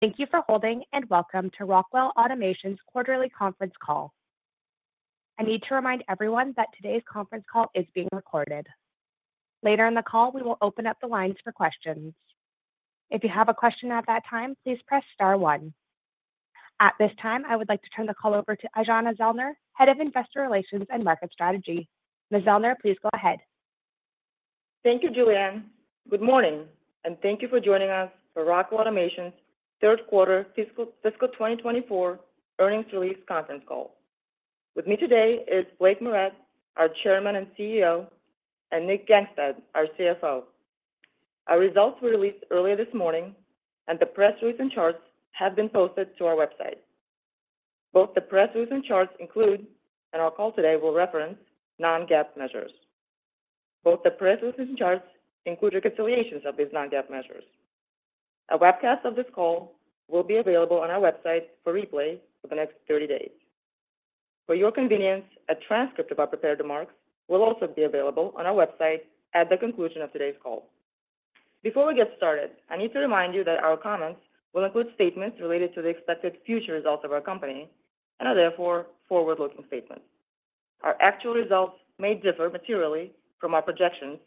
Thank you for holding and welcome to Rockwell Automation's quarterly conference call. I need to remind everyone that today's conference call is being recorded. Later in the call, we will open up the lines for questions. If you have a question at that time, please press star one. At this time, I would like to turn the call over to Aijana Zellner, Head of Investor Relations and Market Strategy. Ms. Zellner, please go ahead. Thank you, Julianne. Good morning, and thank you for joining us for Rockwell Automation's third quarter fiscal 2024 earnings release conference call. With me today is Blake Moret, our Chairman and CEO, and Nick Gangestad, our CFO. Our results were released earlier this morning, and the press release and charts have been posted to our website. Both the press release and charts include, and our call today will reference, non-GAAP measures. Both the press release and charts include reconciliations of these non-GAAP measures. A webcast of this call will be available on our website for replay for the next 30 days. For your convenience, a transcript of our prepared remarks will also be available on our website at the conclusion of today's call. Before we get started, I need to remind you that our comments will include statements related to the expected future results of our company and are therefore forward-looking statements. Our actual results may differ materially from our projections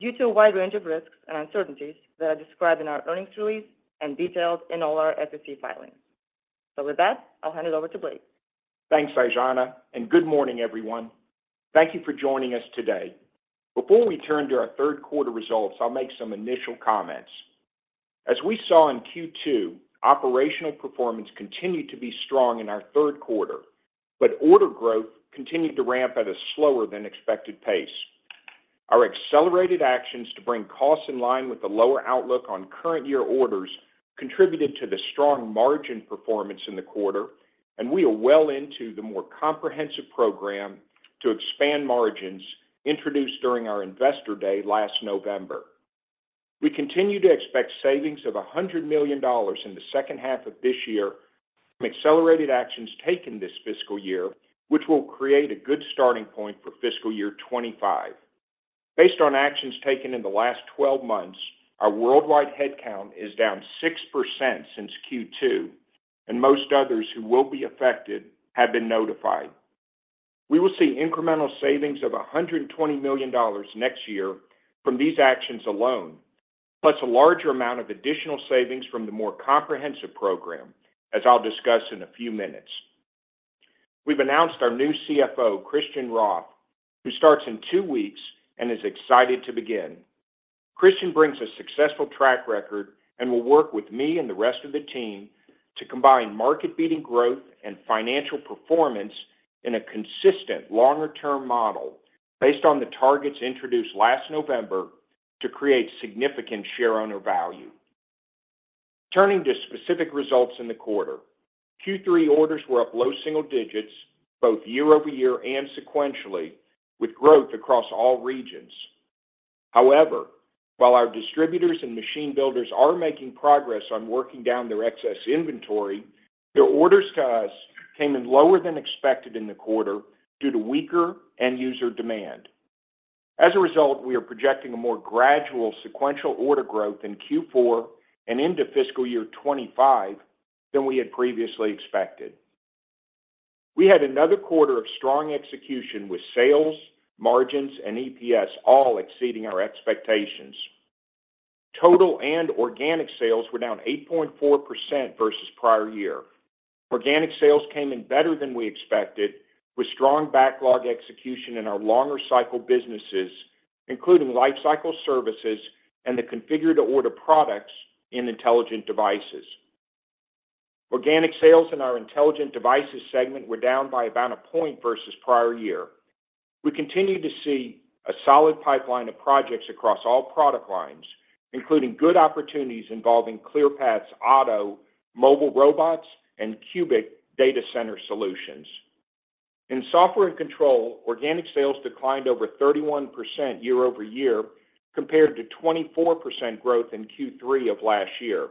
due to a wide range of risks and uncertainties that are described in our earnings release and detailed in all our SEC filings. With that, I'll hand it over to Blake. Thanks, Aijana, and good morning, everyone. Thank you for joining us today. Before we turn to our third quarter results, I'll make some initial comments. As we saw in Q2, operational performance continued to be strong in our third quarter, but order growth continued to ramp at a slower than expected pace. Our accelerated actions to bring costs in line with the lower outlook on current year orders contributed to the strong margin performance in the quarter, and we are well into the more comprehensive program to expand margins introduced during our investor day last November. We continue to expect savings of $100 million in the second half of this year from accelerated actions taken this fiscal year, which will create a good starting point for fiscal year 2025. Based on actions taken in the last 12 months, our worldwide headcount is down 6% since Q2, and most others who will be affected have been notified. We will see incremental savings of $120 million next year from these actions alone, plus a larger amount of additional savings from the more comprehensive program, as I'll discuss in a few minutes. We've announced our new CFO, Christian Rothe, who starts in two weeks and is excited to begin. Christian brings a successful track record and will work with me and the rest of the team to combine market-beating growth and financial performance in a consistent longer-term model based on the targets introduced last November to create significant shareholder value. Turning to specific results in the quarter, Q3 orders were up low single digits both year-over-year and sequentially, with growth across all regions. However, while our distributors and machine builders are making progress on working down their excess inventory, their orders to us came in lower than expected in the quarter due to weaker end-user demand. As a result, we are projecting a more gradual, sequential order growth in Q4 and into fiscal year 2025 than we had previously expected. We had another quarter of strong execution with sales, margins, and EPS all exceeding our expectations. Total and organic sales were down 8.4% versus prior year. Organic sales came in better than we expected, with strong backlog execution in our longer-cycle businesses, including life cycle services and the Configured-to-Order products in Intelligent Devices. Organic sales in our Intelligent Devices segment were down by about a point versus prior year. We continue to see a solid pipeline of projects across all product lines, including good opportunities involving Clearpath's OTTO, mobile robots, and CUBIC data center solutions. In software and control, organic sales declined over 31% year-over-year compared to 24% growth in Q3 of last year.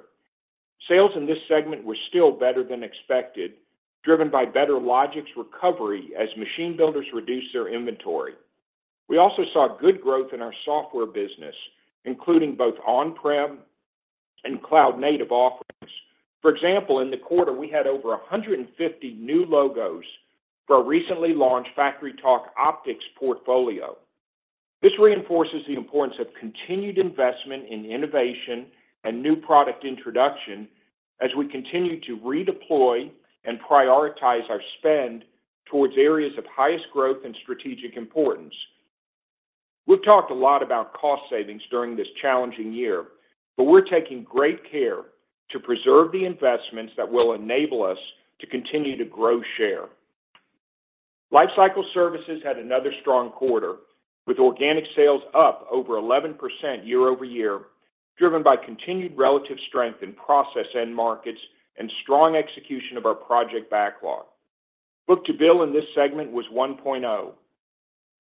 Sales in this segment were still better than expected, driven by better Logix recovery as machine builders reduced their inventory. We also saw good growth in our software business, including both on-prem and cloud-native offerings. For example, in the quarter, we had over 150 new logos for our recently launched FactoryTalk Optix portfolio. This reinforces the importance of continued investment in innovation and new product introduction as we continue to redeploy and prioritize our spend towards areas of highest growth and strategic importance. We've talked a lot about cost savings during this challenging year, but we're taking great care to preserve the investments that will enable us to continue to grow share. Lifecycle services had another strong quarter, with organic sales up over 11% year-over-year, driven by continued relative strength in process end markets and strong execution of our project backlog. Book-to-bill in this segment was 1.0.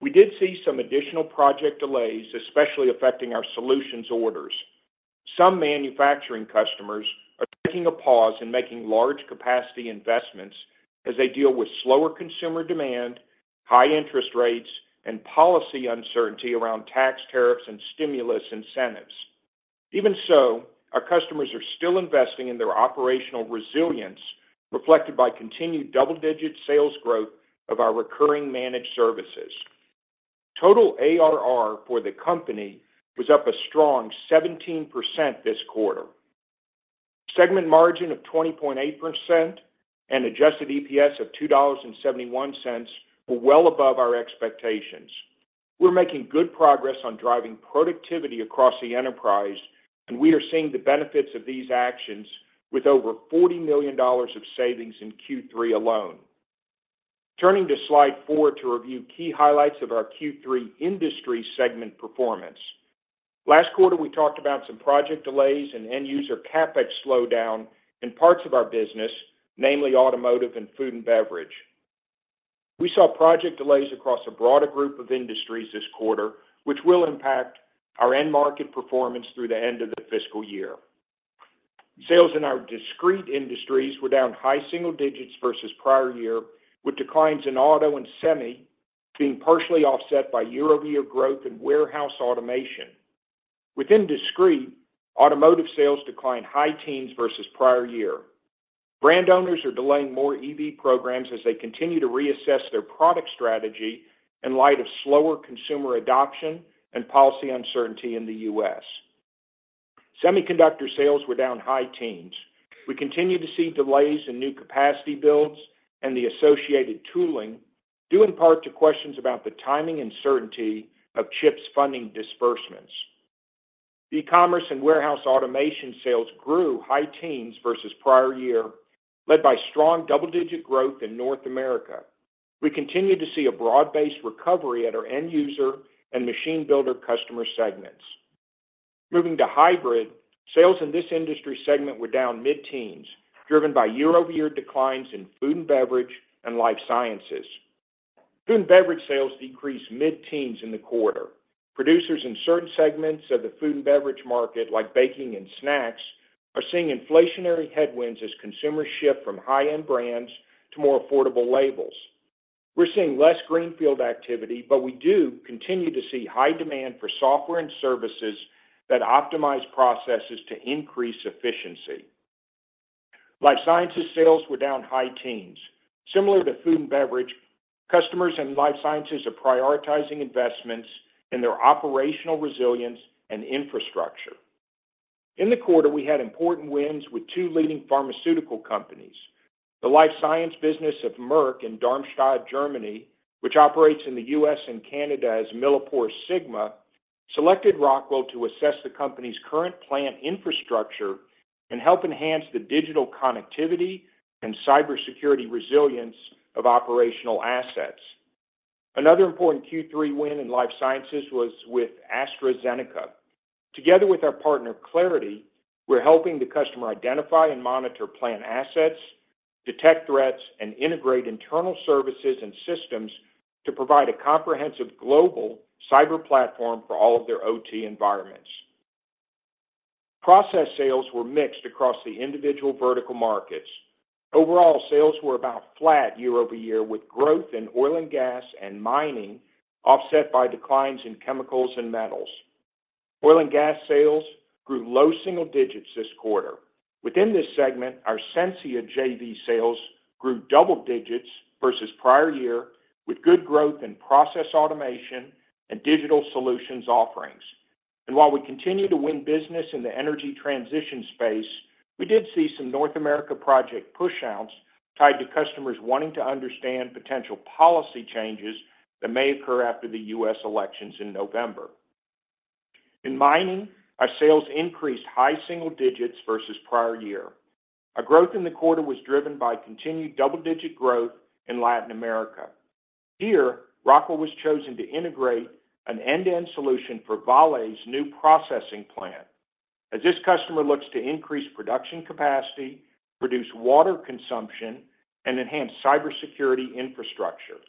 We did see some additional project delays, especially affecting our solutions orders. Some manufacturing customers are taking a pause in making large capacity investments as they deal with slower consumer demand, high interest rates, and policy uncertainty around tax tariffs and stimulus incentives. Even so, our customers are still investing in their operational resilience, reflected by continued double-digit sales growth of our recurring managed services. Total ARR for the company was up a strong 17% this quarter. Segment margin of 20.8% and adjusted EPS of $2.71 were well above our expectations. We're making good progress on driving productivity across the enterprise, and we are seeing the benefits of these actions with over $40 million of savings in Q3 alone. Turning to slide four to review key highlights of our Q3 industry segment performance. Last quarter, we talked about some project delays and end-user CapEx slowdown in parts of our business, namely automotive and food and beverage. We saw project delays across a broader group of industries this quarter, which will impact our end market performance through the end of the fiscal year. Sales in our discrete industries were down high single digits versus prior year, with declines in auto and semi being partially offset by year-over-year growth in warehouse automation. Within discrete, automotive sales declined high teens versus prior year. Brand owners are delaying more EV programs as they continue to reassess their product strategy in light of slower consumer adoption and policy uncertainty in the U.S. Semiconductor sales were down high teens. We continue to see delays in new capacity builds and the associated tooling, due in part to questions about the timing and certainty of CHIPS funding disbursements. E-commerce and warehouse automation sales grew high teens versus prior year, led by strong double-digit growth in North America. We continue to see a broad-based recovery at our end-user and machine builder customer segments. Moving to hybrid, sales in this industry segment were down mid-teens, driven by year-over-year declines in food and beverage and life sciences. Food and beverage sales decreased mid-teens in the quarter. Producers in certain segments of the food and beverage market, like baking and snacks, are seeing inflationary headwinds as consumers shift from high-end brands to more affordable labels. We're seeing less greenfield activity, but we do continue to see high demand for software and services that optimize processes to increase efficiency. Life sciences sales were down high teens. Similar to food and beverage, customers in life sciences are prioritizing investments in their operational resilience and infrastructure. In the quarter, we had important wins with two leading pharmaceutical companies. The life science business of Merck in Darmstadt, Germany, which operates in the U.S. and Canada as MilliporeSigma, selected Rockwell to assess the company's current plant infrastructure and help enhance the digital connectivity and cybersecurity resilience of operational assets. Another important Q3 win in life sciences was with AstraZeneca. Together with our partner Claroty, we're helping the customer identify and monitor plant assets, detect threats, and integrate internal services and systems to provide a comprehensive global cyber platform for all of their OT environments. Process sales were mixed across the individual vertical markets. Overall, sales were about flat year-over-year, with growth in oil and gas and mining offset by declines in chemicals and metals. Oil and gas sales grew low single digits this quarter. Within this segment, our Sensia JV sales grew double digits versus prior year, with good growth in process automation and digital solutions offerings. And while we continue to win business in the energy transition space, we did see some North America project push-outs tied to customers wanting to understand potential policy changes that may occur after the U.S. elections in November. In mining, our sales increased high single digits versus prior year. Our growth in the quarter was driven by continued double-digit growth in Latin America. Here, Rockwell was chosen to integrate an end-to-end solution for Vale's new processing plant. As this customer looks to increase production capacity, reduce water consumption, and enhance cybersecurity infrastructure.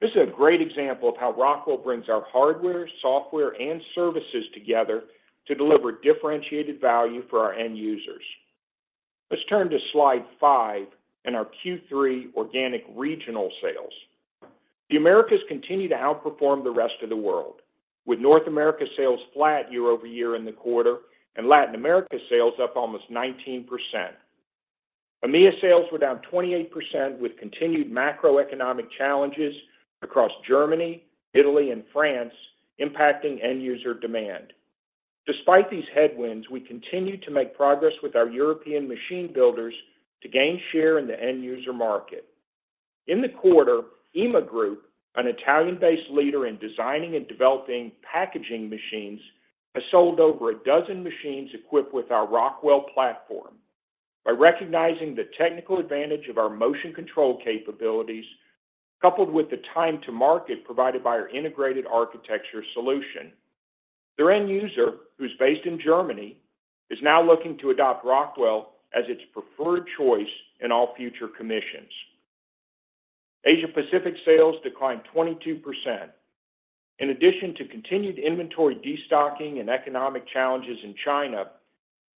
This is a great example of how Rockwell brings our hardware, software, and services together to deliver differentiated value for our end users. Let's turn to slide five in our Q3 organic regional sales. The Americas continue to outperform the rest of the world, with North America sales flat year-over-year in the quarter and Latin America sales up almost 19%. EMEA sales were down 28% with continued macroeconomic challenges across Germany, Italy, and France, impacting end-user demand. Despite these headwinds, we continue to make progress with our European machine builders to gain share in the end-user market. In the quarter, IMA Group, an Italian-based leader in designing and developing packaging machines, has sold over a dozen machines equipped with our Rockwell platform. By recognizing the technical advantage of our motion control capabilities, coupled with the time to market provided by our integrated architecture solution, their end user, who's based in Germany, is now looking to adopt Rockwell as its preferred choice in all future commissions. Asia-Pacific sales declined 22%. In addition to continued inventory destocking and economic challenges in China,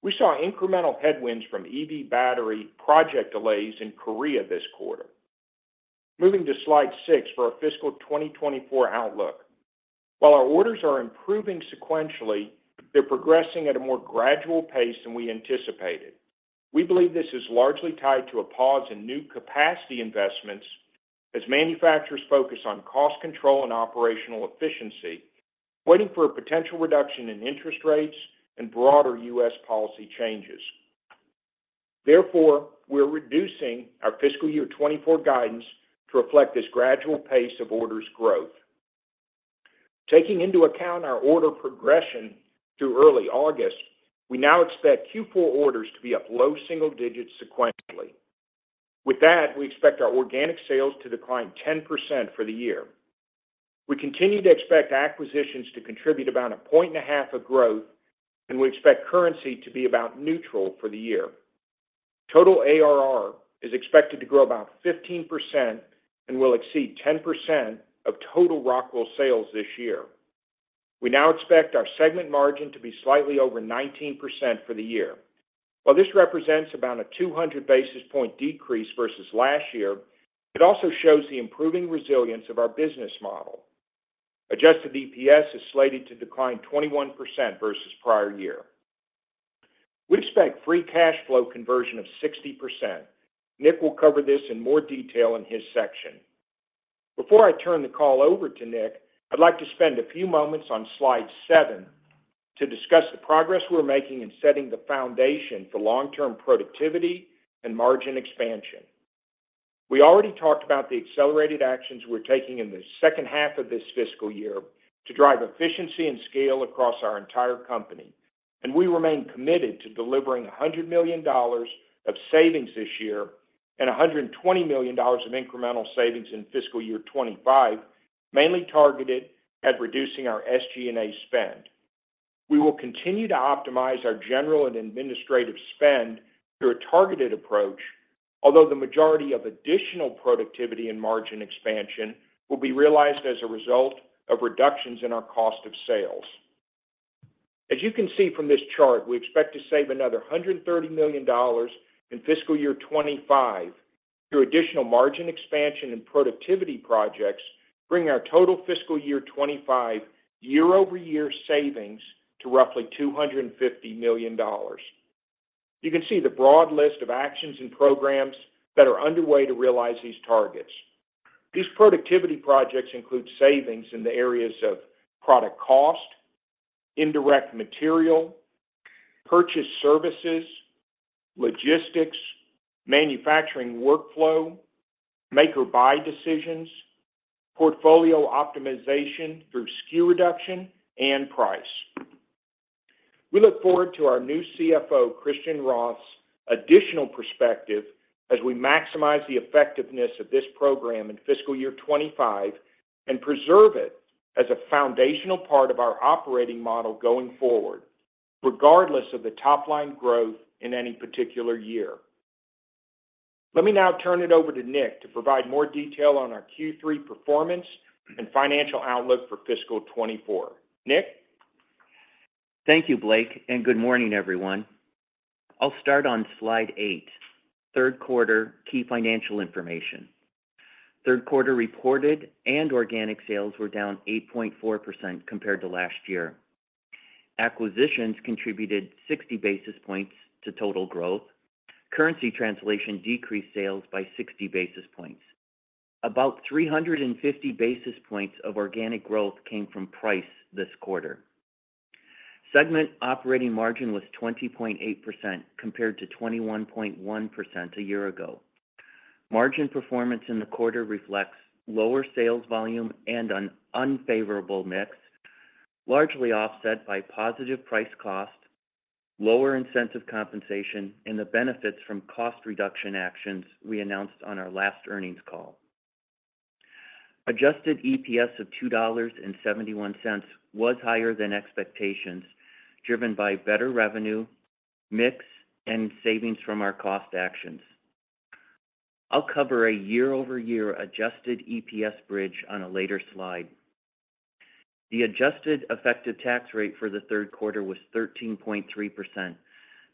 we saw incremental headwinds from EV battery project delays in Korea this quarter. Moving to slide six for our fiscal 2024 outlook. While our orders are improving sequentially, they're progressing at a more gradual pace than we anticipated. We believe this is largely tied to a pause in new capacity investments as manufacturers focus on cost control and operational efficiency, waiting for a potential reduction in interest rates and broader US policy changes. Therefore, we're reducing our fiscal year 2024 guidance to reflect this gradual pace of orders growth. Taking into account our order progression through early August, we now expect Q4 orders to be up low single digits sequentially. With that, we expect our organic sales to decline 10% for the year. We continue to expect acquisitions to contribute about 1.5 points of growth, and we expect currency to be about neutral for the year. Total ARR is expected to grow about 15% and will exceed 10% of total Rockwell sales this year. We now expect our segment margin to be slightly over 19% for the year. While this represents about a 200 basis point decrease versus last year, it also shows the improving resilience of our business model. Adjusted EPS is slated to decline 21% versus prior year. We expect free cash flow conversion of 60%. Nick will cover this in more detail in his section. Before I turn the call over to Nick, I'd like to spend a few moments on slide seven to discuss the progress we're making in setting the foundation for long-term productivity and margin expansion. We already talked about the accelerated actions we're taking in the second half of this fiscal year to drive efficiency and scale across our entire company, and we remain committed to delivering $100 million of savings this year and $120 million of incremental savings in fiscal year 2025, mainly targeted at reducing our SG&A spend. We will continue to optimize our general and administrative spend through a targeted approach, although the majority of additional productivity and margin expansion will be realized as a result of reductions in our cost of sales. As you can see from this chart, we expect to save another $130 million in fiscal year 2025 through additional margin expansion and productivity projects, bringing our total fiscal year 2025 year-over-year savings to roughly $250 million. You can see the broad list of actions and programs that are underway to realize these targets. These productivity projects include savings in the areas of product cost, indirect material, purchase services, logistics, manufacturing workflow, make-buy decisions, portfolio optimization through SKU reduction, and price. We look forward to our new CFO, Christian Rothe, additional perspective as we maximize the effectiveness of this program in fiscal year 2025 and preserve it as a foundational part of our operating model going forward, regardless of the top-line growth in any particular year. Let me now turn it over to Nick to provide more detail on our Q3 performance and financial outlook for fiscal 2024. Nick? Thank you, Blake, and good morning, everyone. I'll start on slide eight, third quarter key financial information. Third quarter reported and organic sales were down 8.4% compared to last year. Acquisitions contributed 60 basis points to total growth. Currency translation decreased sales by 60 basis points. About 350 basis points of organic growth came from price this quarter. Segment operating margin was 20.8% compared to 21.1% a year ago. Margin performance in the quarter reflects lower sales volume and an unfavorable mix, largely offset by positive price cost, lower incentive compensation, and the benefits from cost reduction actions we announced on our last earnings call. Adjusted EPS of $2.71 was higher than expectations, driven by better revenue, mix, and savings from our cost actions. I'll cover a year-over-year adjusted EPS bridge on a later slide. The adjusted effective tax rate for the third quarter was 13.3%,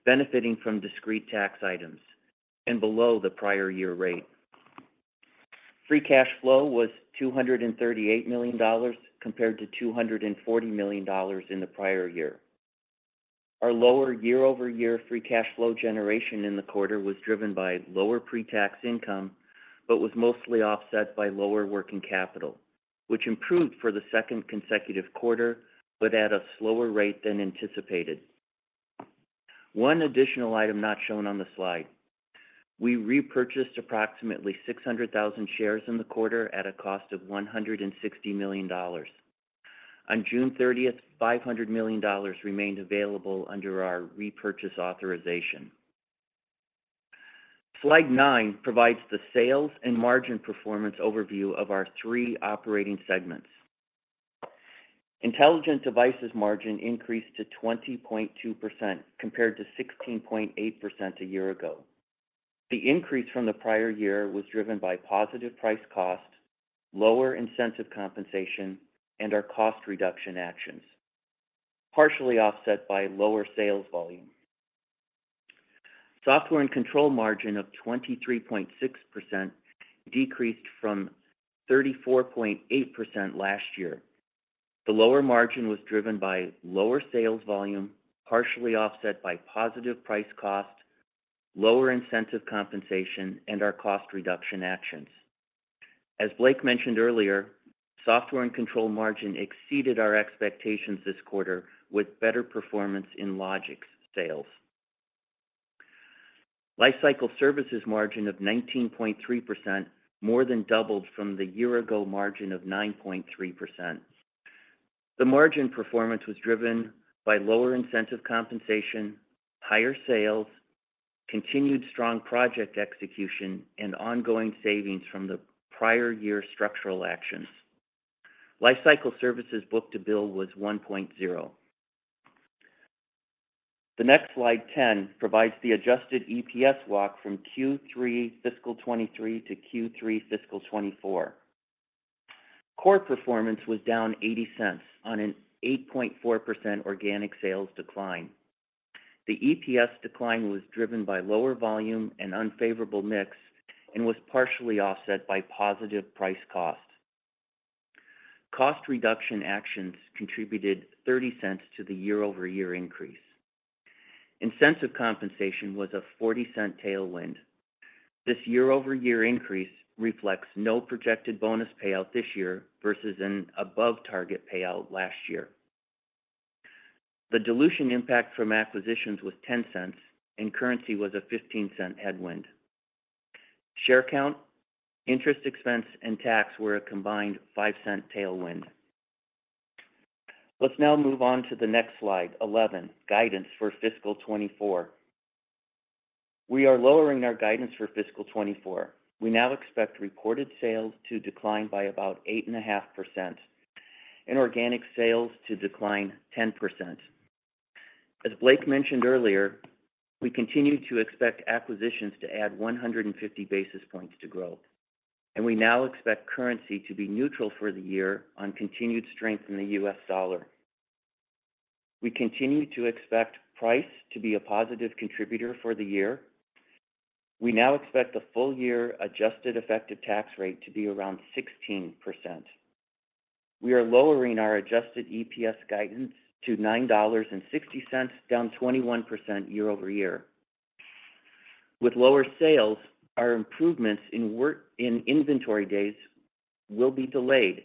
benefiting from discrete tax items and below the prior year rate. Free cash flow was $238 million compared to $240 million in the prior year. Our lower year-over-year free cash flow generation in the quarter was driven by lower pre-tax income, but was mostly offset by lower working capital, which improved for the second consecutive quarter, but at a slower rate than anticipated. One additional item not shown on the slide. We repurchased approximately 600,000 shares in the quarter at a cost of $160 million. On June 30th, $500 million remained available under our repurchase authorization. Slide nine provides the sales and margin performance overview of our three operating segments. Intelligent Devices margin increased to 20.2% compared to 16.8% a year ago. The increase from the prior year was driven by positive price/cost, lower incentive compensation, and our cost reduction actions, partially offset by lower sales volume. Software and control margin of 23.6% decreased from 34.8% last year. The lower margin was driven by lower sales volume, partially offset by positive price/cost, lower incentive compensation, and our cost reduction actions. As Blake mentioned earlier, software and control margin exceeded our expectations this quarter with better performance in Logix sales. Lifecycle services margin of 19.3% more than doubled from the year-ago margin of 9.3%. The margin performance was driven by lower incentive compensation, higher sales, continued strong project execution, and ongoing savings from the prior year's structural actions. Lifecycle services book-to-bill was 1.0. The next slide 10 provides the adjusted EPS walk from Q3 fiscal 2023 to Q3 fiscal 2024. Core performance was down $0.80 on an 8.4% organic sales decline. The EPS decline was driven by lower volume and unfavorable mix and was partially offset by positive price/cost. Cost reduction actions contributed $0.30 to the year-over-year increase. Incentive compensation was a $0.40 tailwind. This year-over-year increase reflects no projected bonus payout this year versus an above-target payout last year. The dilution impact from acquisitions was $0.10, and currency was a $0.15 headwind. Share count, interest expense, and tax were a combined $0.05 tailwind. Let's now move on to the next slide 11, guidance for fiscal 2024. We are lowering our guidance for fiscal 2024. We now expect reported sales to decline by about 8.5% and organic sales to decline 10%. As Blake mentioned earlier, we continue to expect acquisitions to add 150 basis points to growth, and we now expect currency to be neutral for the year on continued strength in the US dollar. We continue to expect price to be a positive contributor for the year. We now expect the full-year adjusted effective tax rate to be around 16%. We are lowering our adjusted EPS guidance to $9.60, down 21% year-over-year. With lower sales, our improvements in inventory days will be delayed,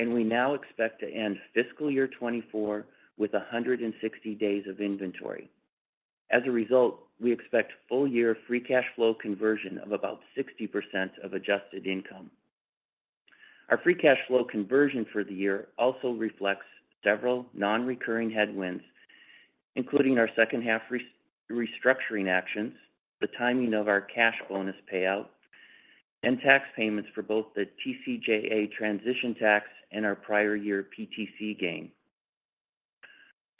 and we now expect to end fiscal year 2024 with 160 days of inventory. As a result, we expect full-year free cash flow conversion of about 60% of adjusted income. Our free cash flow conversion for the year also reflects several non-recurring headwinds, including our second-half restructuring actions, the timing of our cash bonus payout, and tax payments for both the TCJA transition tax and our prior year PTC gain.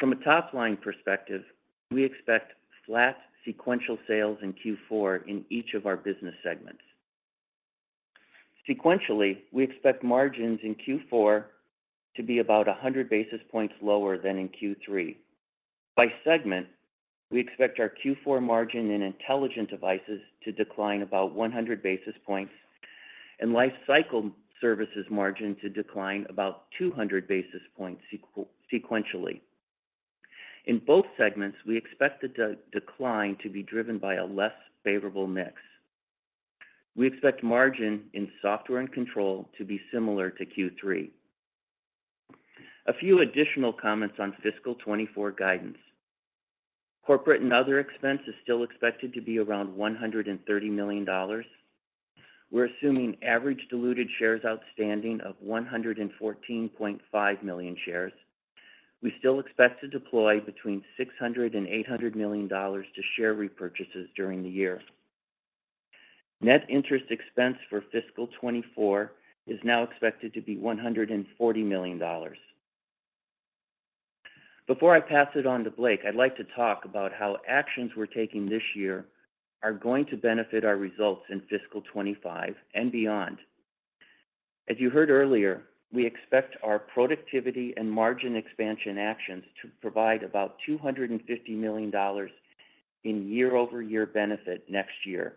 From a top-line perspective, we expect flat sequential sales in Q4 in each of our business segments. Sequentially, we expect margins in Q4 to be about 100 basis points lower than in Q3. By segment, we expect our Q4 margin in Intelligent Devices to decline about 100 basis points and lifecycle services margin to decline about 200 basis points sequentially. In both segments, we expect the decline to be driven by a less favorable mix. We expect margin in software and control to be similar to Q3. A few additional comments on fiscal 2024 guidance. Corporate and other expenses still expected to be around $130 million. We're assuming average diluted shares outstanding of 114.5 million shares. We still expect to deploy between $600 million-$800 million to share repurchases during the year. Net interest expense for fiscal 2024 is now expected to be $140 million. Before I pass it on to Blake, I'd like to talk about how actions we're taking this year are going to benefit our results in fiscal 2025 and beyond. As you heard earlier, we expect our productivity and margin expansion actions to provide about $250 million in year-over-year benefit next year.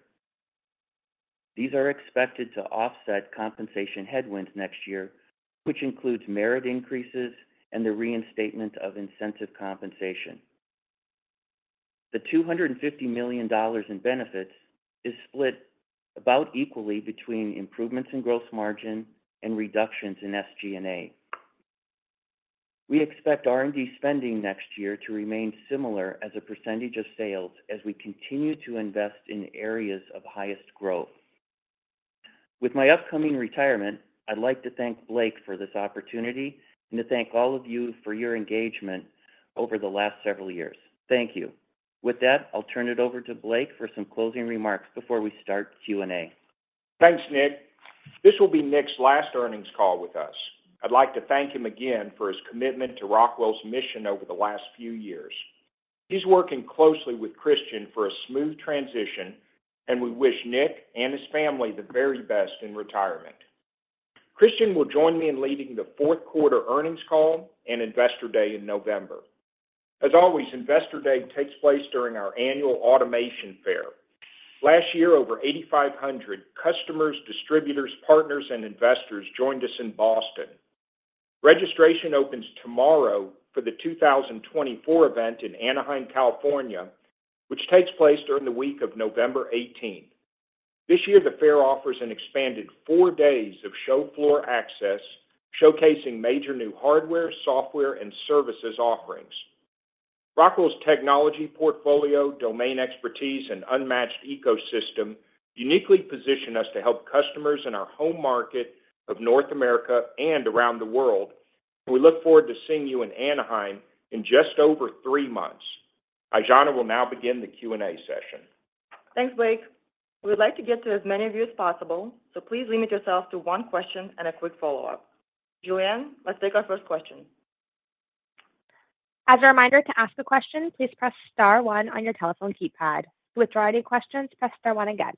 These are expected to offset compensation headwinds next year, which includes merit increases and the reinstatement of incentive compensation. The $250 million in benefits is split about equally between improvements in gross margin and reductions in SG&A. We expect R&D spending next year to remain similar as a percentage of sales as we continue to invest in areas of highest growth. With my upcoming retirement, I'd like to thank Blake for this opportunity and to thank all of you for your engagement over the last several years. Thank you. With that, I'll turn it over to Blake for some closing remarks before we start Q&A. Thanks, Nick. This will be Nick's last earnings call with us. I'd like to thank him again for his commitment to Rockwell's mission over the last few years. He's working closely with Christian for a smooth transition, and we wish Nick and his family the very best in retirement. Christian will join me in leading the fourth quarter earnings call and Investor Day in November. As always, Investor Day takes place during our annual Automation Fair. Last year, over 8,500 customers, distributors, partners, and investors joined us in Boston. Registration opens tomorrow for the 2024 event in Anaheim, California, which takes place during the week of November 18th. This year, the fair offers an expanded four days of show floor access, showcasing major new hardware, software, and services offerings. Rockwell's technology portfolio, domain expertise, and unmatched ecosystem uniquely position us to help customers in our home market of North America and around the world. We look forward to seeing you in Anaheim in just over three months. Aijana will now begin the Q&A session. Thanks, Blake. We would like to get to as many of you as possible, so please limit yourself to one question and a quick follow-up. Julianne, let's take our first question. As a reminder to ask the question, please press star one on your telephone keypad. Withdraw any questions, press star one again.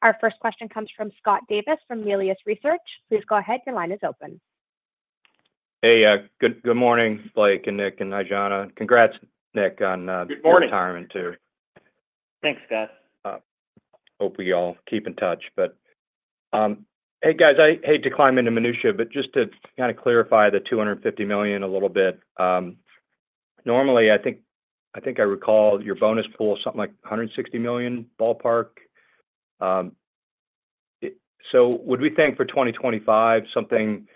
Our first question comes from Scott Davis from Melius Research. Please go ahead. Your line is open. Hey, good morning, Blake and Nick and Aijana. Congrats, Nick, on the retirement too. Good morning. Thanks, Scott. Hope you all keep in touch. But hey, guys, I hate to climb into minutia, but just to kind of clarify the $250 million a little bit. Normally, I think I recall your bonus pool was something like $160 million ballpark. So would we think for 2025, something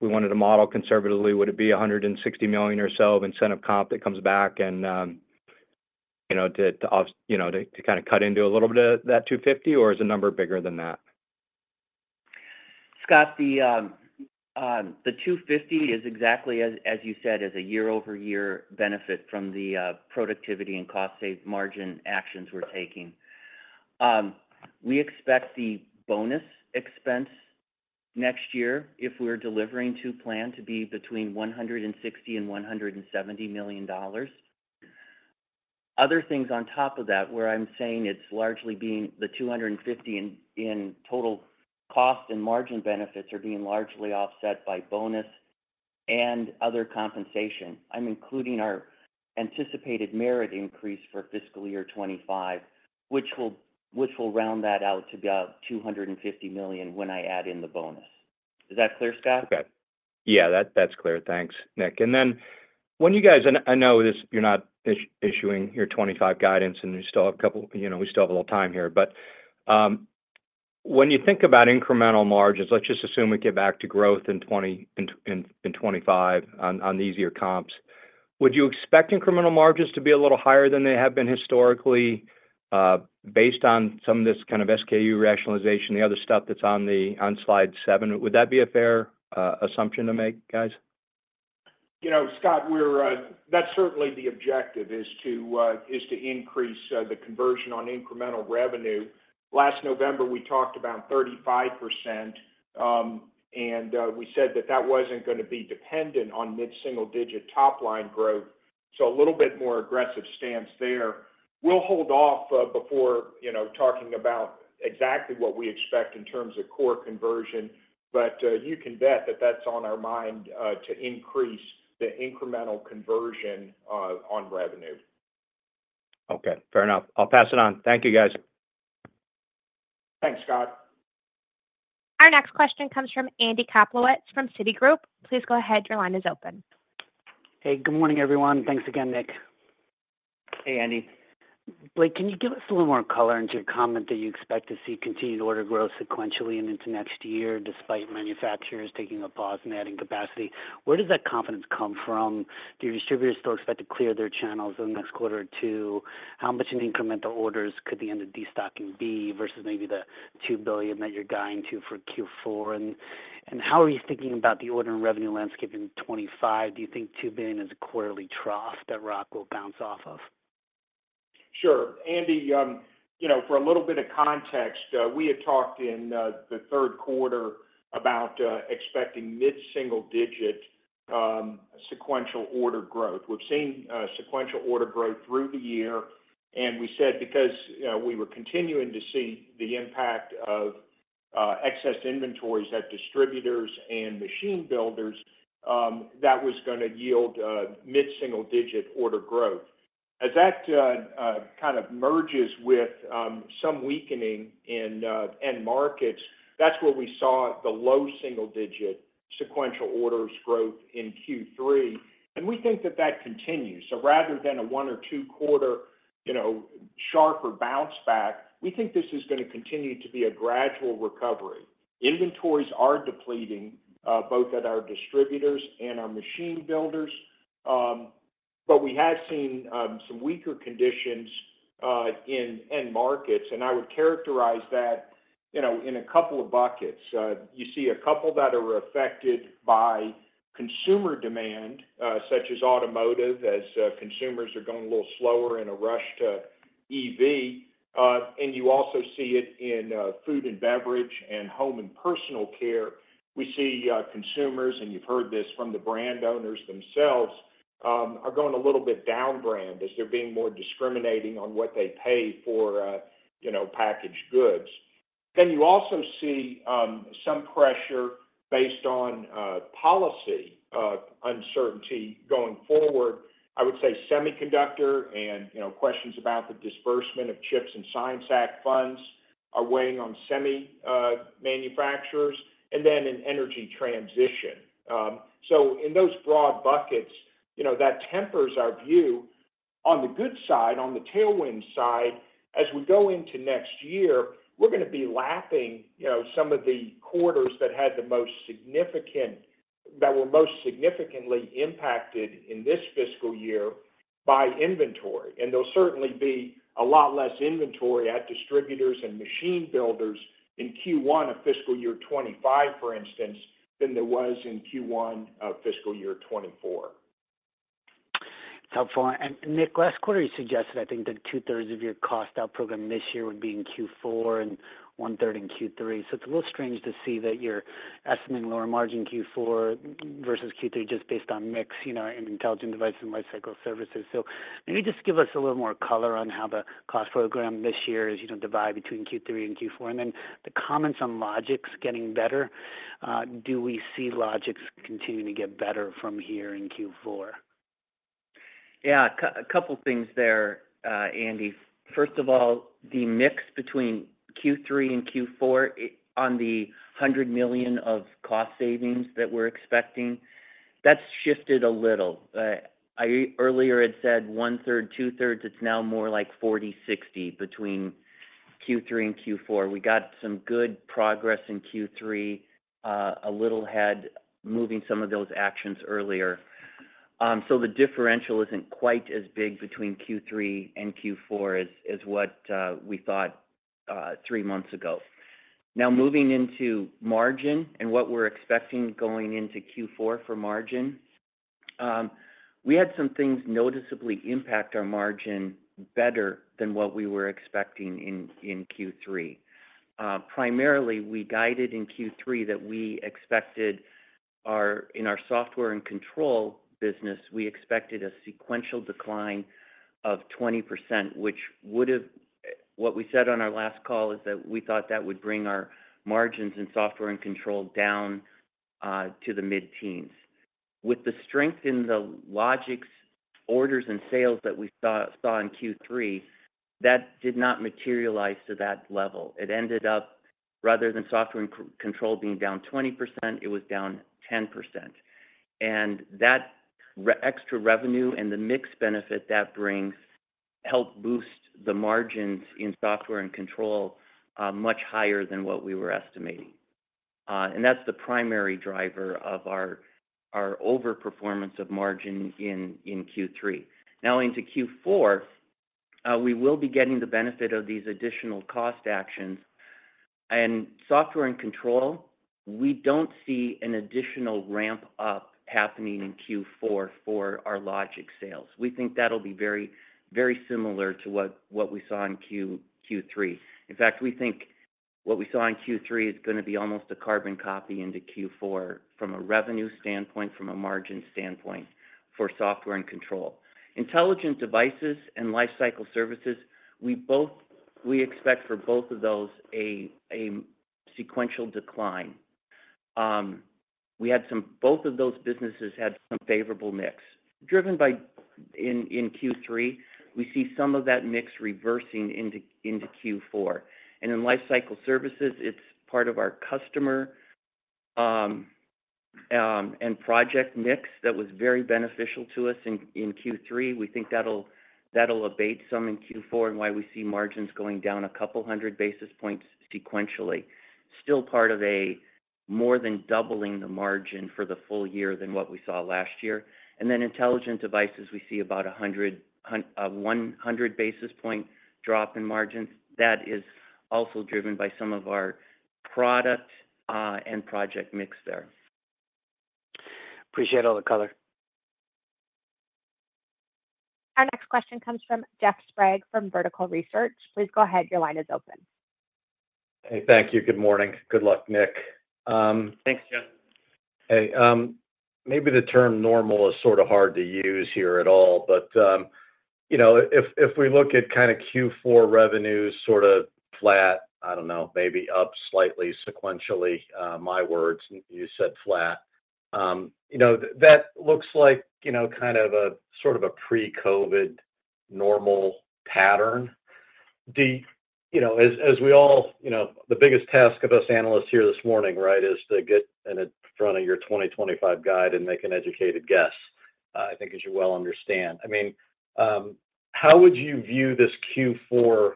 we wanted to model conservatively, would it be $160 million or so of incentive comp that comes back and to kind of cut into a little bit of that $250, or is the number bigger than that? Scott, the $250 is exactly, as you said, a year-over-year benefit from the productivity and cost-save margin actions we're taking. We expect the bonus expense next year, if we're delivering to plan, to be between $160 million and $170 million. Other things on top of that, where I'm saying it's largely being the $250 million in total cost and margin benefits are being largely offset by bonus and other compensation. I'm including our anticipated merit increase for fiscal year 2025, which will round that out to about $250 million when I add in the bonus. Is that clear, Scott? Okay. Yeah, that's clear. Thanks, Nick. And then when you guys—and I know you're not issuing your 2025 guidance, and we still have a couple—we still have a little time here. But when you think about incremental margins, let's just assume we get back to growth in 2025 on these year comps. Would you expect incremental margins to be a little higher than they have been historically based on some of this kind of SKU rationalization, the other stuff that's on slide seven? Would that be a fair assumption to make, guys? You know, Scott, that's certainly the objective is to increase the conversion on incremental revenue. Last November, we talked about 35%, and we said that that wasn't going to be dependent on mid-single-digit top-line growth. So a little bit more aggressive stance there. We'll hold off before talking about exactly what we expect in terms of core conversion, but you can bet that that's on our mind to increase the incremental conversion on revenue. Okay. Fair enough. I'll pass it on. Thank you, guys. Thanks, Scott. Our next question comes from Andy Kaplowitz from Citigroup. Please go ahead. Your line is open. Hey, good morning, everyone. Thanks again, Nick. Hey, Andy. Blake, can you give us a little more color into your comment that you expect to see continued order growth sequentially and into next year despite manufacturers taking a pause in adding capacity? Where does that confidence come from? Do distributors still expect to clear their channels in the next quarter or two? How much in incremental orders could the end of destocking be versus maybe the $2 billion that you're guiding to for Q4? And how are you thinking about the order and revenue landscape in 2025? Do you think $2 billion is a quarterly trough that Rock will bounce off of? Sure. Andy, for a little bit of context, we had talked in the third quarter about expecting mid-single-digit sequential order growth. We've seen sequential order growth through the year, and we said because we were continuing to see the impact of excess inventories at distributors and machine builders, that was going to yield mid-single-digit order growth. As that kind of merges with some weakening in end markets, that's where we saw the low single-digit sequential orders growth in Q3, and we think that that continues. So rather than a one or two-quarter sharper bounce back, we think this is going to continue to be a gradual recovery. Inventories are depleting both at our distributors and our machine builders, but we have seen some weaker conditions in end markets, and I would characterize that in a couple of buckets. You see a couple that are affected by consumer demand, such as automotive, as consumers are going a little slower in a rush to EV, and you also see it in food and beverage and home and personal care. We see consumers, and you've heard this from the brand owners themselves, are going a little bit downbrand as they're being more discriminating on what they pay for packaged goods. Then you also see some pressure based on policy uncertainty going forward. I would say semiconductor and questions about the disbursement of Chips and Science Act funds are weighing on semi manufacturers, and then an energy transition. So in those broad buckets, that tempers our view. On the good side, on the tailwind side, as we go into next year, we're going to be lapping some of the quarters that had the most significant—that were most significantly impacted in this fiscal year by inventory. And there'll certainly be a lot less inventory at distributors and machine builders in Q1 of fiscal year 2025, for instance, than there was in Q1 of fiscal year 2024. Helpful. And Nick, last quarter, you suggested I think that two-thirds of your cost out program this year would be in Q4 and 1/3 in Q3. So it's a little strange to see that you're estimating lower margin Q4 versus Q3 just based on mix in Intelligent Devices and lifecycle services. So maybe just give us a little more color on how the cost program this year is divided between Q3 and Q4. And then the comments on Logix getting better. Do we see Logix continuing to get better from here in Q4? Yeah, a couple of things there, Andy. First of all, the mix between Q3 and Q4 on the $100 million of cost savings that we're expecting, that's shifted a little. Earlier, I'd said 1/3, two-thirds, it's now more like 40/60 between Q3 and Q4. We got some good progress in Q3, a little head moving some of those actions earlier. So the differential isn't quite as big between Q3 and Q4 as what we thought three months ago. Now, moving into margin and what we're expecting going into Q4 for margin, we had some things noticeably impact our margin better than what we were expecting in Q3. Primarily, we guided in Q3 that we expected in our Software and Control business, we expected a sequential decline of 20%, which would have—what we said on our last call is that we thought that would bring our margins in software and control down to the mid-teens. With the strength in the Logix orders and sales that we saw in Q3, that did not materialize to that level. It ended up, rather than software and control being down 20%, it was down 10%. And that extra revenue and the mix benefit that brings helped boost the margins in software and control much higher than what we were estimating. And that's the primary driver of our overperformance of margin in Q3. Now, into Q4, we will be getting the benefit of these additional cost actions. Software and control, we don't see an additional ramp-up happening in Q4 for our Logix sales. We think that'll be very similar to what we saw in Q3. In fact, we think what we saw in Q3 is going to be almost a carbon copy into Q4 from a revenue standpoint, from a margin standpoint for software and control. Intelligent Devices and lifecycle services, we expect for both of those a sequential decline. Both of those businesses had some favorable mix. Driven by in Q3, we see some of that mix reversing into Q4. In lifecycle services, it's part of our customer and project mix that was very beneficial to us in Q3. We think that'll abate some in Q4 and why we see margins going down a couple hundred basis points sequentially. Still part of a more than doubling the margin for the full year than what we saw last year. And then Intelligent Devices, we see about 100 basis points drop in margins. That is also driven by some of our product and project mix there. Appreciate all the color. Our next question comes from Jeff Sprague from Vertical Research. Please go ahead. Your line is open. Hey, thank you. Good morning. Good luck, Nick. Thanks, Jeff. Hey, maybe the term normal is sort of hard to use here at all, but if we look at kind of Q4 revenues sort of flat, I don't know, maybe up slightly sequentially, my words, you said flat. That looks like kind of a sort of a pre-COVID normal pattern. As we all—the biggest task of us analysts here this morning, right, is to get in front of your 2025 guide and make an educated guess, I think, as you well understand. I mean, how would you view this Q4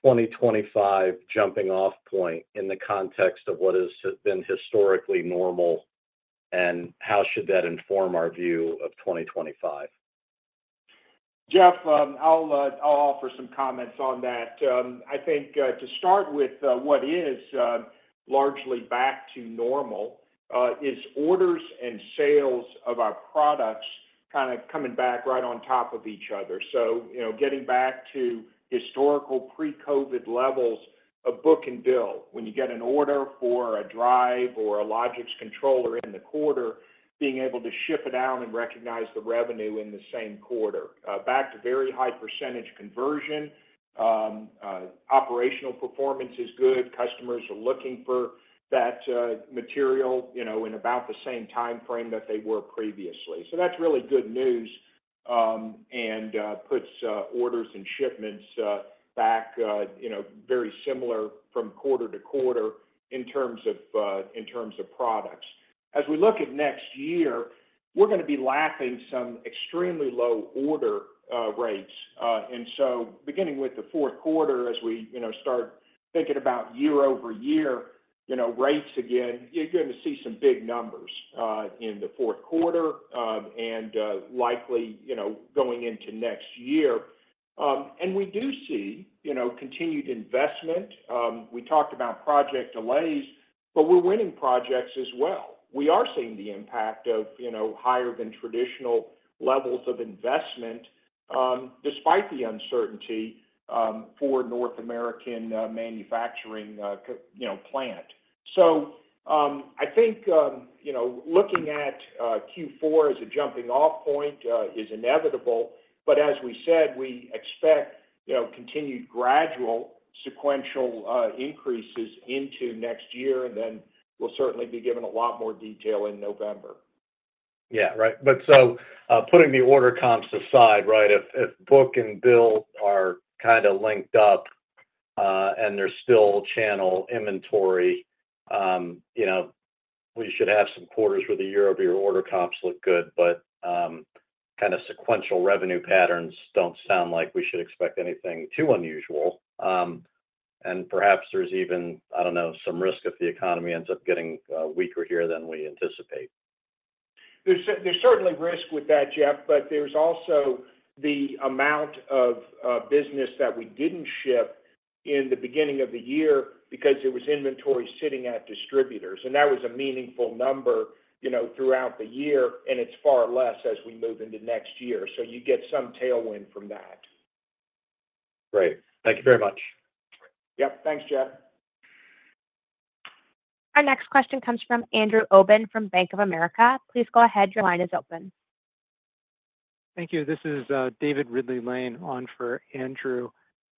2025 jumping off point in the context of what has been historically normal, and how should that inform our view of 2025? Jeff, I'll offer some comments on that. I think to start with, what is largely back to normal is orders and sales of our products kind of coming back right on top of each other. So getting back to historical pre-COVID levels of book-to-bill, when you get an order for a drive or a Logix controller in the quarter, being able to shift down and recognize the revenue in the same quarter. Back to very high percentage conversion, operational performance is good. Customers are looking for that material in about the same timeframe that they were previously. So that's really good news and puts orders and shipments back very similar from quarter-to-quarter in terms of products. As we look at next year, we're going to be lapping some extremely low order rates. So beginning with the fourth quarter, as we start thinking about year-over-year rates again, you're going to see some big numbers in the fourth quarter and likely going into next year. And we do see continued investment. We talked about project delays, but we're winning projects as well. We are seeing the impact of higher than traditional levels of investment despite the uncertainty for North American manufacturing plant. So I think looking at Q4 as a jumping off point is inevitable, but as we said, we expect continued gradual sequential increases into next year, and then we'll certainly be given a lot more detail in November. Yeah, right. But so putting the order comps aside, right, if book and bill are kind of linked up and there's still channel inventory, we should have some quarters where the year-over-year order comps look good, but kind of sequential revenue patterns don't sound like we should expect anything too unusual. And perhaps there's even, I don't know, some risk if the economy ends up getting weaker here than we anticipate. There's certainly risk with that, Jeff, but there's also the amount of business that we didn't shift in the beginning of the year because it was inventory sitting at distributors. And that was a meaningful number throughout the year, and it's far less as we move into next year. So you get some tailwind from that. Right. Thank you very much. Yep. Thanks, Jeff. Our next question comes from Andrew Obin from Bank of America. Please go ahead. Your line is open. Thank you. This is David Ridley-Lane on for Andrew.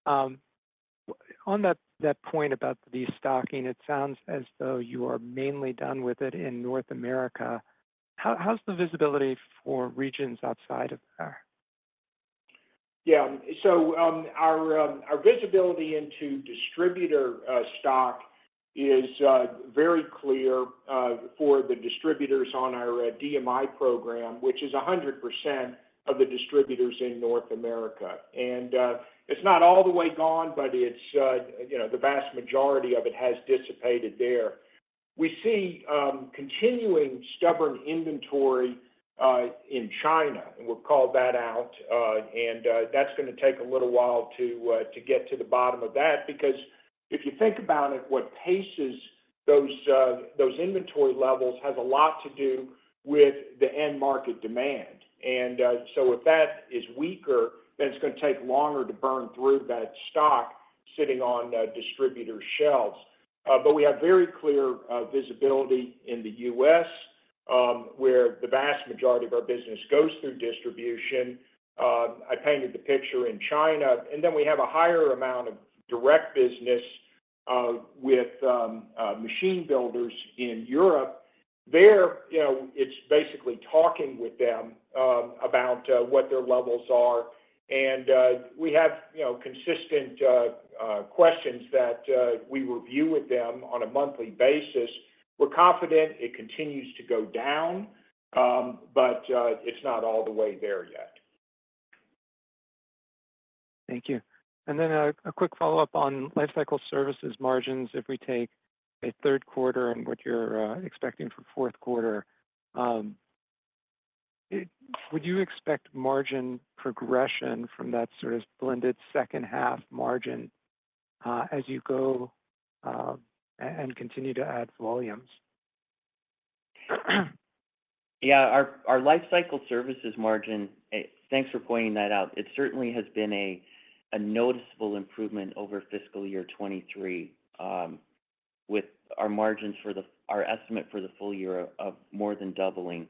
On that point about the stocking, it sounds as though you are mainly done with it in North America. How's the visibility for regions outside of there? Yeah. So our visibility into distributor stock is very clear for the distributors on our DMI program, which is 100% of the distributors in North America. And it's not all the way gone, but the vast majority of it has dissipated there. We see continuing stubborn inventory in China, and we'll call that out. And that's going to take a little while to get to the bottom of that because if you think about it, what paces those inventory levels has a lot to do with the end market demand. And so if that is weaker, then it's going to take longer to burn through that stock sitting on distributor shelves. But we have very clear visibility in the U.S., where the vast majority of our business goes through distribution. I painted the picture in China, and then we have a higher amount of direct business with machine builders in Europe. There, it's basically talking with them about what their levels are. And we have consistent questions that we review with them on a monthly basis. We're confident it continues to go down, but it's not all the way there yet. Thank you. And then a quick follow-up on lifecycle services margins. If we take a third quarter and what you're expecting for fourth quarter, would you expect margin progression from that sort of blended second-half margin as you go and continue to add volumes? Yeah. Our lifecycle services margin, thanks for pointing that out, it certainly has been a noticeable improvement over fiscal year 2023, with our margins for our estimate for the full year of more than doubling.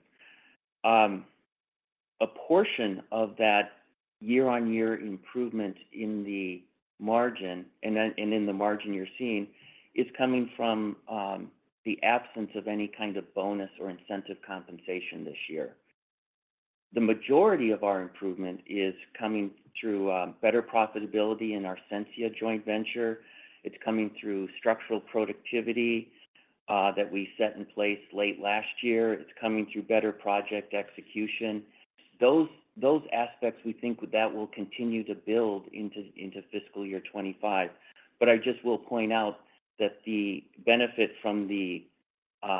A portion of that year-on-year improvement in the margin and in the margin you're seeing is coming from the absence of any kind of bonus or incentive compensation this year. The majority of our improvement is coming through better profitability in our Sensia joint venture. It's coming through structural productivity that we set in place late last year. It's coming through better project execution. Those aspects, we think, that will continue to build into fiscal year 2025. I just will point out that the benefit from the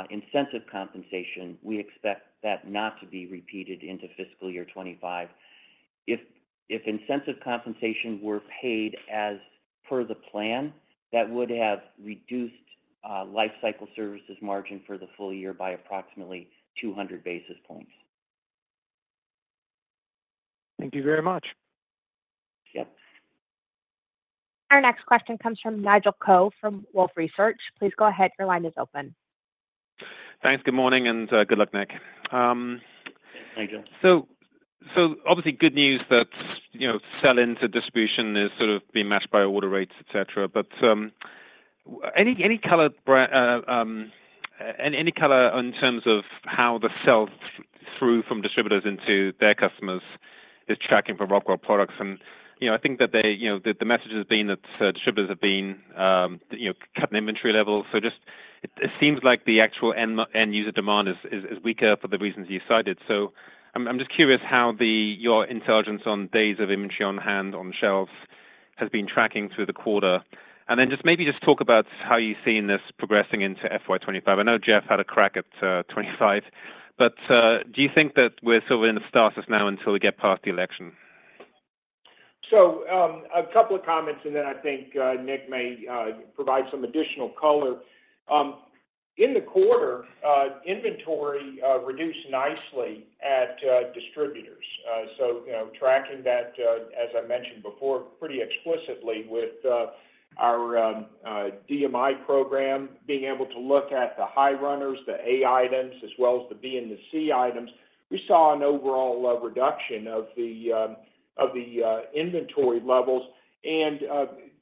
incentive compensation, we expect that not to be repeated into fiscal year 2025. If incentive compensation were paid as per the plan, that would have reduced lifecycle services margin for the full year by approximately 200 basis points. Thank you very much. Yes. Our next question comes from Nigel Coe from Wolfe Research. Please go ahead. Your line is open. Thanks. Good morning and good luck, Nick. Thank you. Obviously, good news that sell into distribution is sort of being matched by order rates, etc. Any color in terms of how the sales through from distributors into their customers is tracking for Rockwell products. I think that the message has been that distributors have been cutting inventory levels. It seems like the actual end user demand is weaker for the reasons you cited. So I'm just curious how your intelligence on days of inventory on hand on shelves has been tracking through the quarter. And then just maybe just talk about how you've seen this progressing into FY 2025. I know Jeff had a crack at 2025, but do you think that we're sort of in the stasis now until we get past the election? So a couple of comments, and then I think Nick may provide some additional color. In the quarter, inventory reduced nicely at distributors. So tracking that, as I mentioned before, pretty explicitly with our DMI program, being able to look at the high runners, the A items, as well as the B and the C items, we saw an overall reduction of the inventory levels. And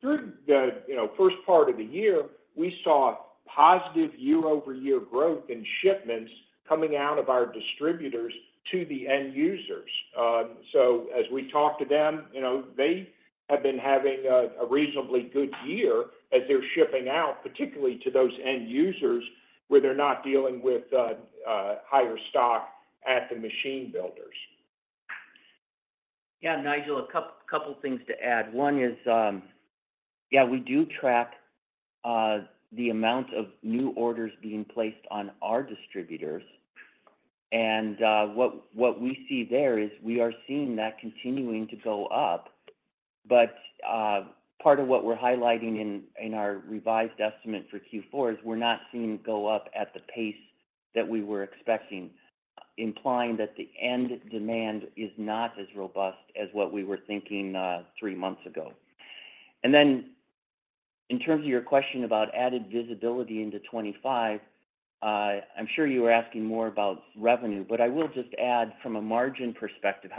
during the first part of the year, we saw positive year-over-year growth in shipments coming out of our distributors to the end users. So as we talked to them, they have been having a reasonably good year as they're shipping out, particularly to those end users where they're not dealing with higher stock at the machine builders. Yeah. Nigel, a couple of things to add. One is, yeah, we do track the amount of new orders being placed on our distributors. And what we see there is we are seeing that continuing to go up. But part of what we're highlighting in our revised estimate for Q4 is we're not seeing it go up at the pace that we were expecting, implying that the end demand is not as robust as what we were thinking three months ago. And then in terms of your question about added visibility into 2025, I'm sure you were asking more about revenue, but I will just add from a margin perspective,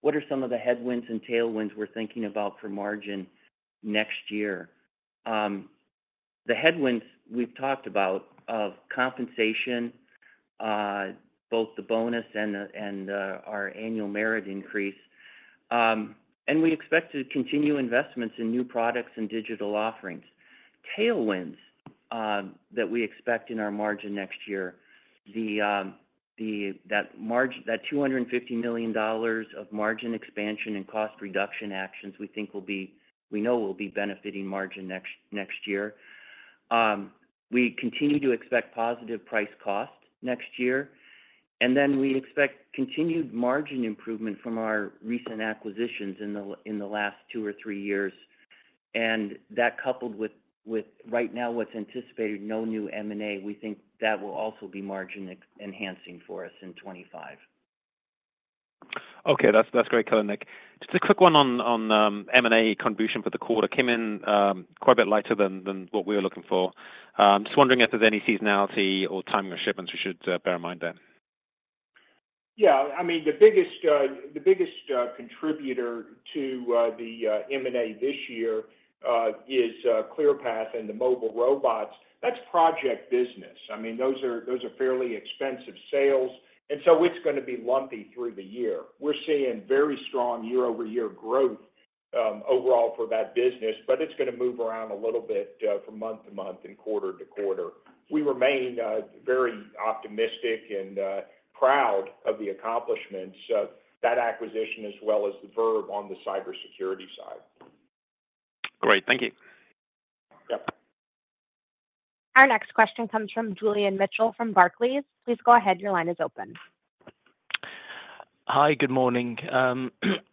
what are some of the headwinds and tailwinds we're thinking about for margin next year? The headwinds we've talked about of compensation, both the bonus and our annual merit increase. And we expect to continue investments in new products and digital offerings. Tailwinds that we expect in our margin next year, that $250 million of margin expansion and cost reduction actions we think will be—we know will be benefiting margin next year. We continue to expect positive price cost next year. And then we expect continued margin improvement from our recent acquisitions in the last two or three years. That coupled with right now what's anticipated, no new M&A, we think that will also be margin enhancing for us in 2025. Okay. That's great color, Nick. Just a quick one on M&A contribution for the quarter. Came in quite a bit later than what we were looking for. Just wondering if there's any seasonality or time of shipments we should bear in mind there. Yeah. I mean, the biggest contributor to the M&A this year is Clearpath and the mobile robots. That's project business. I mean, those are fairly expensive sales. And so it's going to be lumpy through the year. We're seeing very strong year-over-year growth overall for that business, but it's going to move around a little bit from month to month and quarter to quarter. We remain very optimistic and proud of the accomplishments, that acquisition as well as the Verve on the cybersecurity side. Great. Thank you. Yep. Our next question comes from Julian Mitchell from Barclays. Please go ahead. Your line is open. Hi. Good morning.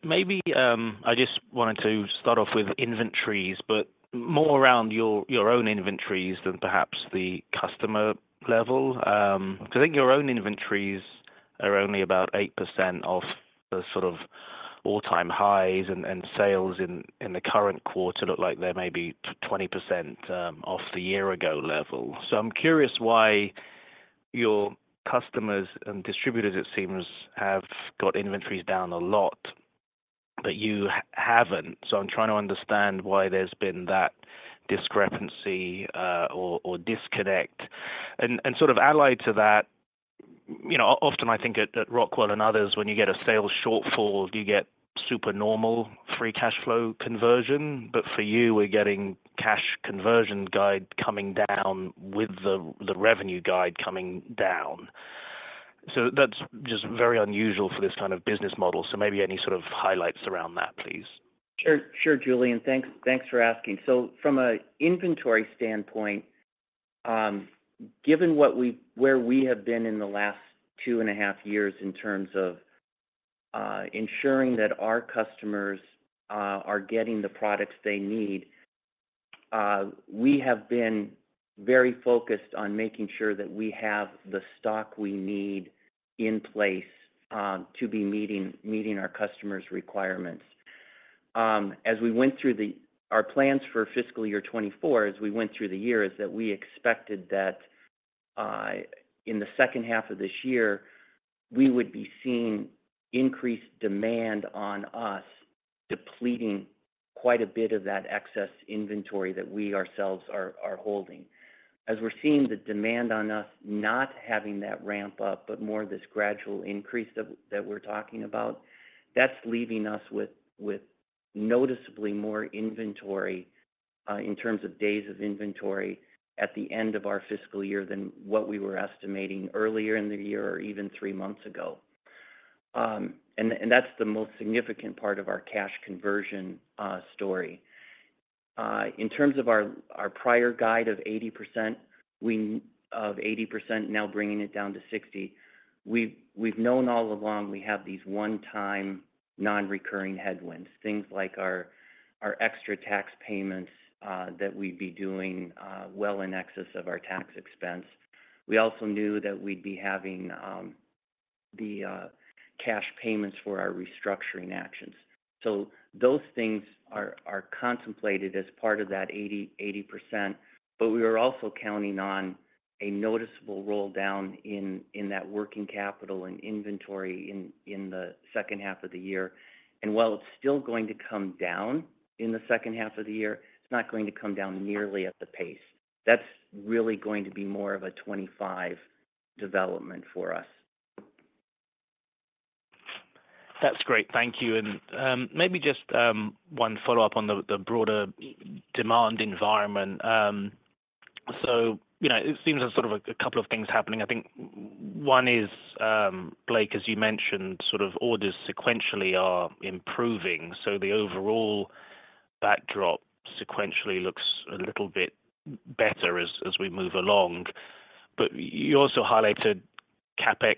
Maybe I just wanted to start off with inventories, but more around your own inventories than perhaps the customer level. Because I think your own inventories are only about 8% off the sort of all-time highs, and sales in the current quarter look like they're maybe 20% off the year-ago level. So I'm curious why your customers and distributors, it seems, have got inventories down a lot, but you haven't. So I'm trying to understand why there's been that discrepancy or disconnect. And sort of allied to that, often I think at Rockwell and others, when you get a sales shortfall, you get super normal free cash flow conversion. But for you, we're getting cash conversion guide coming down with the revenue guide coming down. So that's just very unusual for this kind of business model. So maybe any sort of highlights around that, please. Sure. Sure, Julian. Thanks for asking. So from an inventory standpoint, given where we have been in the last two and a half years in terms of ensuring that our customers are getting the products they need, we have been very focused on making sure that we have the stock we need in place to be meeting our customers' requirements. As we went through our plans for fiscal year 2024, as we went through the year, is that we expected that in the second half of this year, we would be seeing increased demand on us depleting quite a bit of that excess inventory that we ourselves are holding. As we're seeing the demand on us not having that ramp up, but more this gradual increase that we're talking about, that's leaving us with noticeably more inventory in terms of days of inventory at the end of our fiscal year than what we were estimating earlier in the year or even three months ago. That's the most significant part of our cash conversion story. In terms of our prior guide of 80%, of 80%, now bringing it down to 60, we've known all along we have these one-time non-recurring headwinds, things like our extra tax payments that we'd be doing well in excess of our tax expense. We also knew that we'd be having the cash payments for our restructuring actions. So those things are contemplated as part of that 80%, but we were also counting on a noticeable roll down in that working capital and inventory in the second half of the year. And while it's still going to come down in the second half of the year, it's not going to come down nearly at the pace. That's really going to be more of a 2025 development for us. That's great. Thank you. And maybe just one follow-up on the broader demand environment. So it seems there's sort of a couple of things happening. I think one is, Blake, as you mentioned, sort of orders sequentially are improving. So the overall backdrop sequentially looks a little bit better as we move along. But you also highlighted CapEx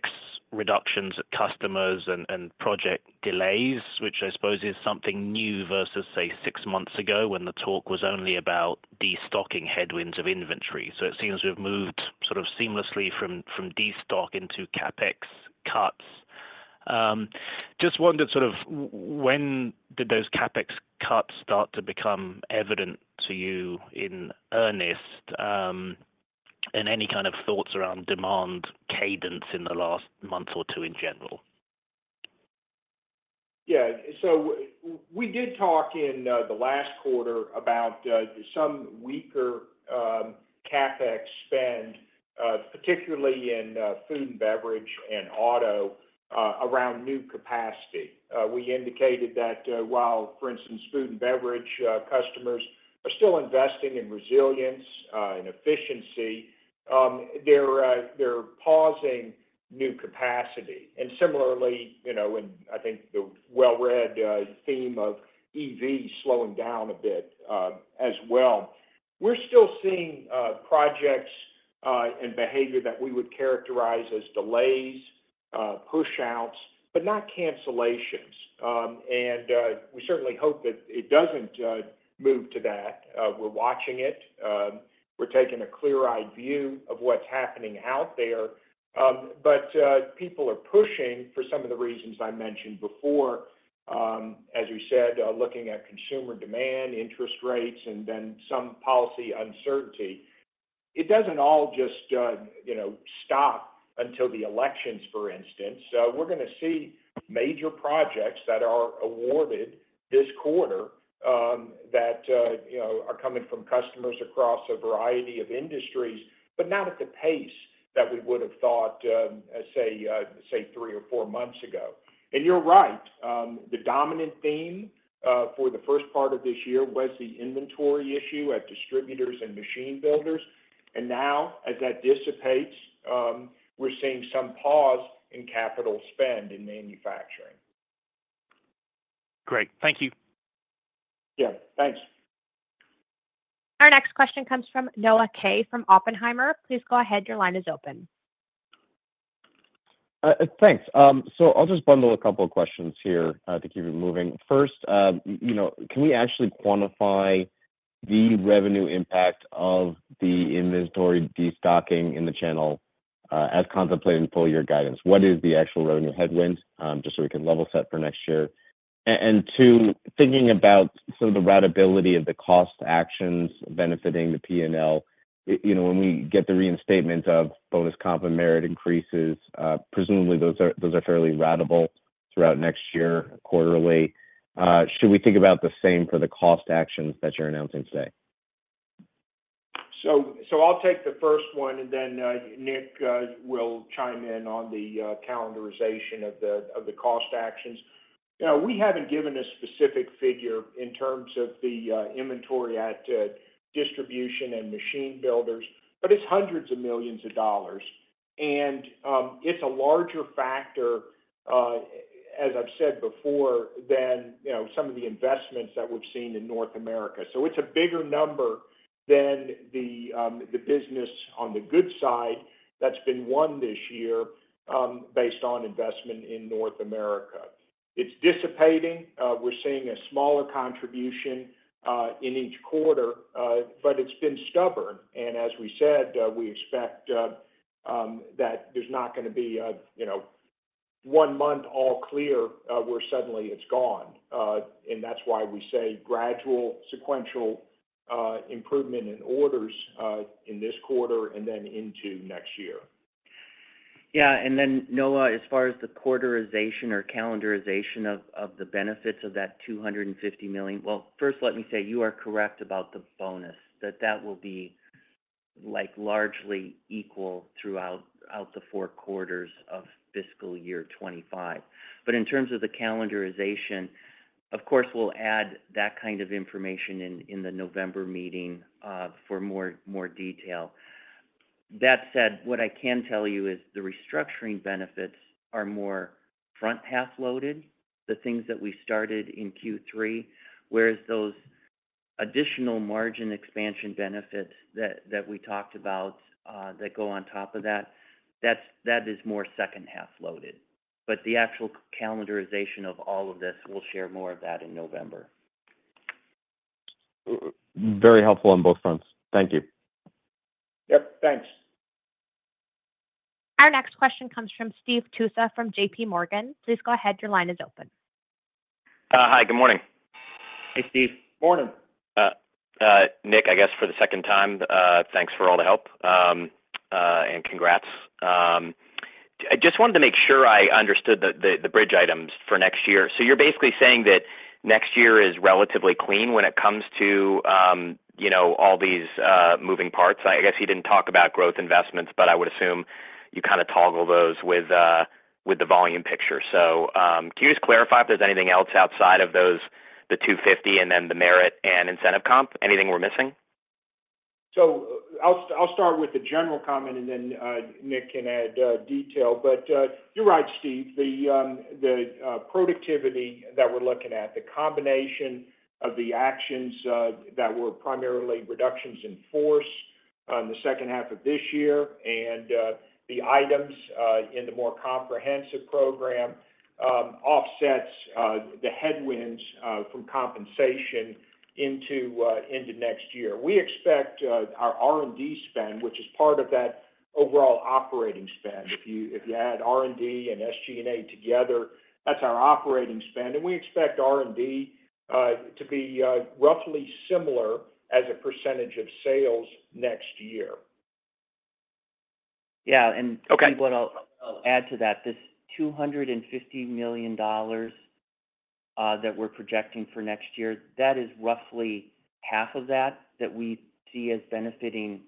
reductions at customers and project delays, which I suppose is something new versus, say, six months ago when the talk was only about destocking headwinds of inventory. So it seems we've moved sort of seamlessly from destock into CapEx cuts. Just wondered sort of when did those CapEx cuts start to become evident to you in earnest and any kind of thoughts around demand cadence in the last month or two in general? Yeah. So we did talk in the last quarter about some weaker CapEx spend, particularly in food and beverage and auto around new capacity. We indicated that while, for instance, food and beverage customers are still investing in resilience and efficiency, they're pausing new capacity. And similarly, I think the well-read theme of EV slowing down a bit as well. We're still seeing projects and behavior that we would characterize as delays, push-outs, but not cancellations. We certainly hope that it doesn't move to that. We're watching it. We're taking a clear-eyed view of what's happening out there. People are pushing for some of the reasons I mentioned before, as you said, looking at consumer demand, interest rates, and then some policy uncertainty. It doesn't all just stop until the elections, for instance. We're going to see major projects that are awarded this quarter that are coming from customers across a variety of industries, but not at the pace that we would have thought, say, three or 4 months ago. You're right. The dominant theme for the first part of this year was the inventory issue at distributors and machine builders. Now, as that dissipates, we're seeing some pause in capital spend in manufacturing. Great. Thank you. Yeah. Thanks. Our next question comes from Noah Kaye from Oppenheimer. Please go ahead. Your line is open. Thanks. So I'll just bundle a couple of questions here. I think you're moving. First, can we actually quantify the revenue impact of the inventory destocking in the channel as contemplated in full year guidance? What is the actual revenue headwind just so we can level set for next year? And two, thinking about sort of the ratability of the cost actions benefiting the P&L, when we get the reinstatement of bonus comp and merit increases, presumably those are fairly ratable throughout next year quarterly. Should we think about the same for the cost actions that you're announcing today? So I'll take the first one, and then Nick will chime in on the calendarization of the cost actions. We haven't given a specific figure in terms of the inventory at distribution and machine builders, but it's $hundreds of millions. It's a larger factor, as I've said before, than some of the investments that we've seen in North America. It's a bigger number than the business on the good side that's been won this year based on investment in North America. It's dissipating. We're seeing a smaller contribution in each quarter, but it's been stubborn. As we said, we expect that there's not going to be one month all clear where suddenly it's gone. That's why we say gradual, sequential improvement in orders in this quarter and then into next year. Yeah. And then, Noah, as far as the quarterization or calendarization of the benefits of that $250 million, well, first, let me say you are correct about the bonus, that that will be largely equal throughout the four quarters of fiscal year 2025. But in terms of the calendarization, of course, we'll add that kind of information in the November meeting for more detail. That said, what I can tell you is the restructuring benefits are more front half loaded, the things that we started in Q3, whereas those additional margin expansion benefits that we talked about that go on top of that, that is more second half loaded. But the actual calendarization of all of this, we'll share more of that in November. Very helpful on both fronts. Thank you. Yep. Thanks. Our next question comes from Stephen Tusa from JPMorgan. Please go ahead. Your line is open. Hi. Good morning. Hey, Steve. Morning. Nick, I guess for the second time, thanks for all the help and congrats. I just wanted to make sure I understood the bridge items for next year. So you're basically saying that next year is relatively clean when it comes to all these moving parts. I guess he didn't talk about growth investments, but I would assume you kind of toggle those with the volume picture. So can you just clarify if there's anything else outside of the 250 and then the merit and incentive comp? Anything we're missing? So I'll start with the general comment, and then Nick can add detail. But you're right, Steve. The productivity that we're looking at, the combination of the actions that were primarily reductions in force in the second half of this year and the items in the more comprehensive program offsets the headwinds from compensation into next year. We expect our R&D spend, which is part of that overall operating spend. If you add R&D and SG&A together, that's our operating spend. And we expect R&D to be roughly similar as a percentage of sales next year. Yeah. And what I'll add to that, this $250 million that we're projecting for next year, that is roughly half of that that we see as benefiting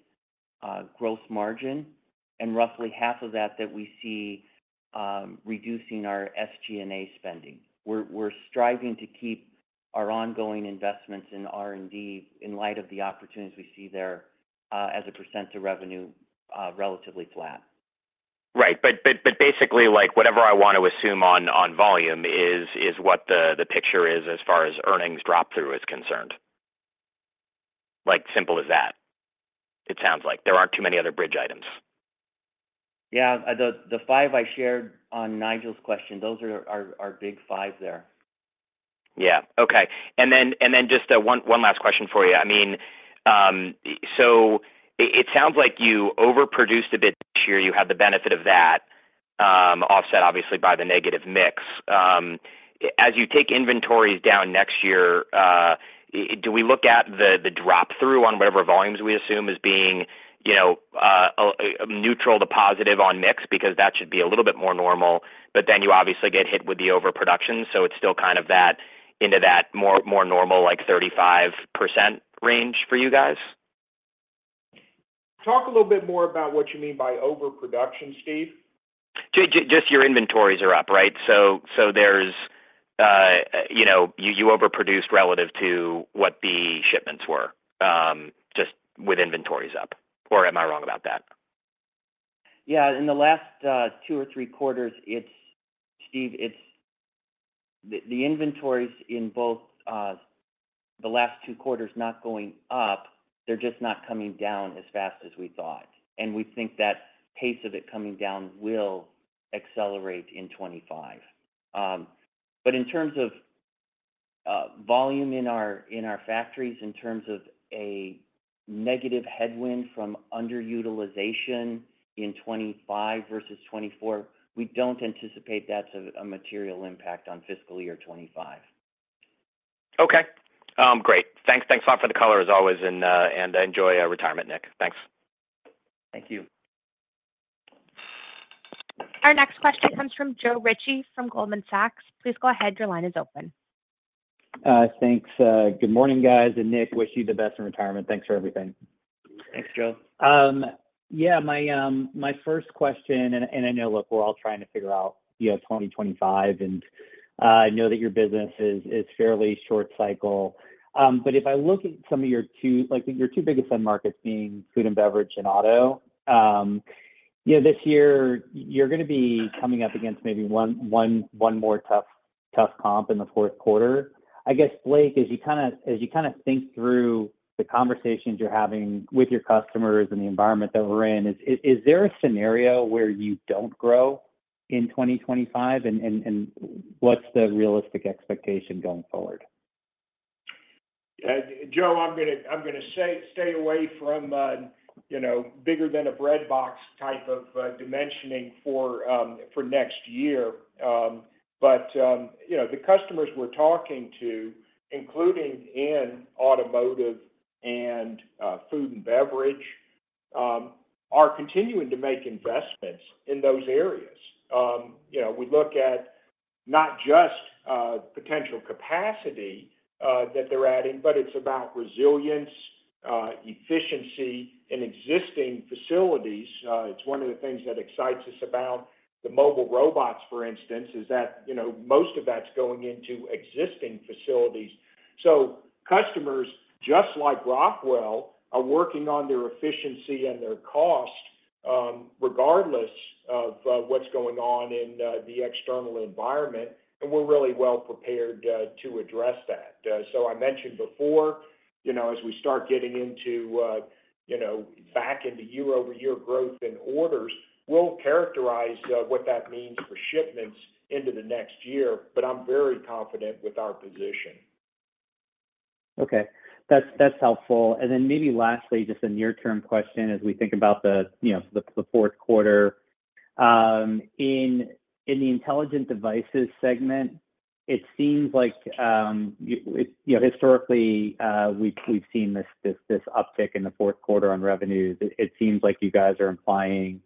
gross margin and roughly half of that that we see reducing our SG&A spending. We're striving to keep our ongoing investments in R&D in light of the opportunities we see there as a percent of revenue relatively flat. Right. But basically, whatever I want to assume on volume is what the picture is as far as earnings drop-through is concerned. Like, simple as that. It sounds like there aren't too many other bridge items. Yeah. The five I shared on Nigel's question, those are our big five there. Yeah. Okay. And then just one last question for you. I mean, so it sounds like you overproduced a bit. Year, you had the benefit of that offset, obviously, by the negative mix. As you take inventories down next year, do we look at the drop-through on whatever volumes we assume as being neutral to positive on mix because that should be a little bit more normal, but then you obviously get hit with the overproduction. So it's still kind of that into that more normal 35% range for you guys? Talk a little bit more about what you mean by overproduction, Steve. Just your inventories are up, right? So you overproduced relative to what bookings were just with inventories up. Or am I wrong about that? Yeah. In the last two or three quarters, Steve, the inventories in both the last two quarters not going up, they're just not coming down as fast as we thought. And we think that pace of it coming down will accelerate in 2025. But in terms of volume in our factories, in terms of a negative headwind from underutilization in 2025 versus 2024, we don't anticipate that's a material impact on fiscal year 2025. Okay. Great. Thanks. Thanks a lot for the color, as always, and enjoy retirement, Nick. Thanks. Thank you. Our next question comes from Joe Ritchie from Goldman Sachs. Please go ahead. Your line is open. Thanks. Good morning, guys. And Nick, wish you the best in retirement. Thanks for everything. Thanks, Joe. Yeah. My first question, and I know, look, we're all trying to figure out 2025, and I know that your business is fairly short cycle. But if I look at some of your two biggest end markets being food and beverage and auto, this year, you're going to be coming up against maybe one more tough comp in the fourth quarter. I guess, Blake, as you kind of think through the conversations you're having with your customers and the environment that we're in, is there a scenario where you don't grow in 2025? And what's the realistic expectation going forward? Joe, I'm going to stay away from bigger than a bread box type of dimensioning for next year. But the customers we're talking to, including in automotive and food and beverage, are continuing to make investments in those areas. We look at not just potential capacity that they're adding, but it's about resilience, efficiency, and existing facilities. It's one of the things that excites us about the mobile robots, for instance, is that most of that's going into existing facilities. So customers, just like Rockwell, are working on their efficiency and their cost regardless of what's going on in the external environment. And we're really well prepared to address that. So I mentioned before, as we start getting back into year-over-year growth in orders, we'll characterize what that means for shipments into the next year, but I'm very confident with our position. Okay. That's helpful. And then maybe lastly, just a near-term question as we think about the fourth quarter. In the Intelligent Devices segment, it seems like historically, we've seen this uptick in the fourth quarter on revenue. It seems like you guys are implying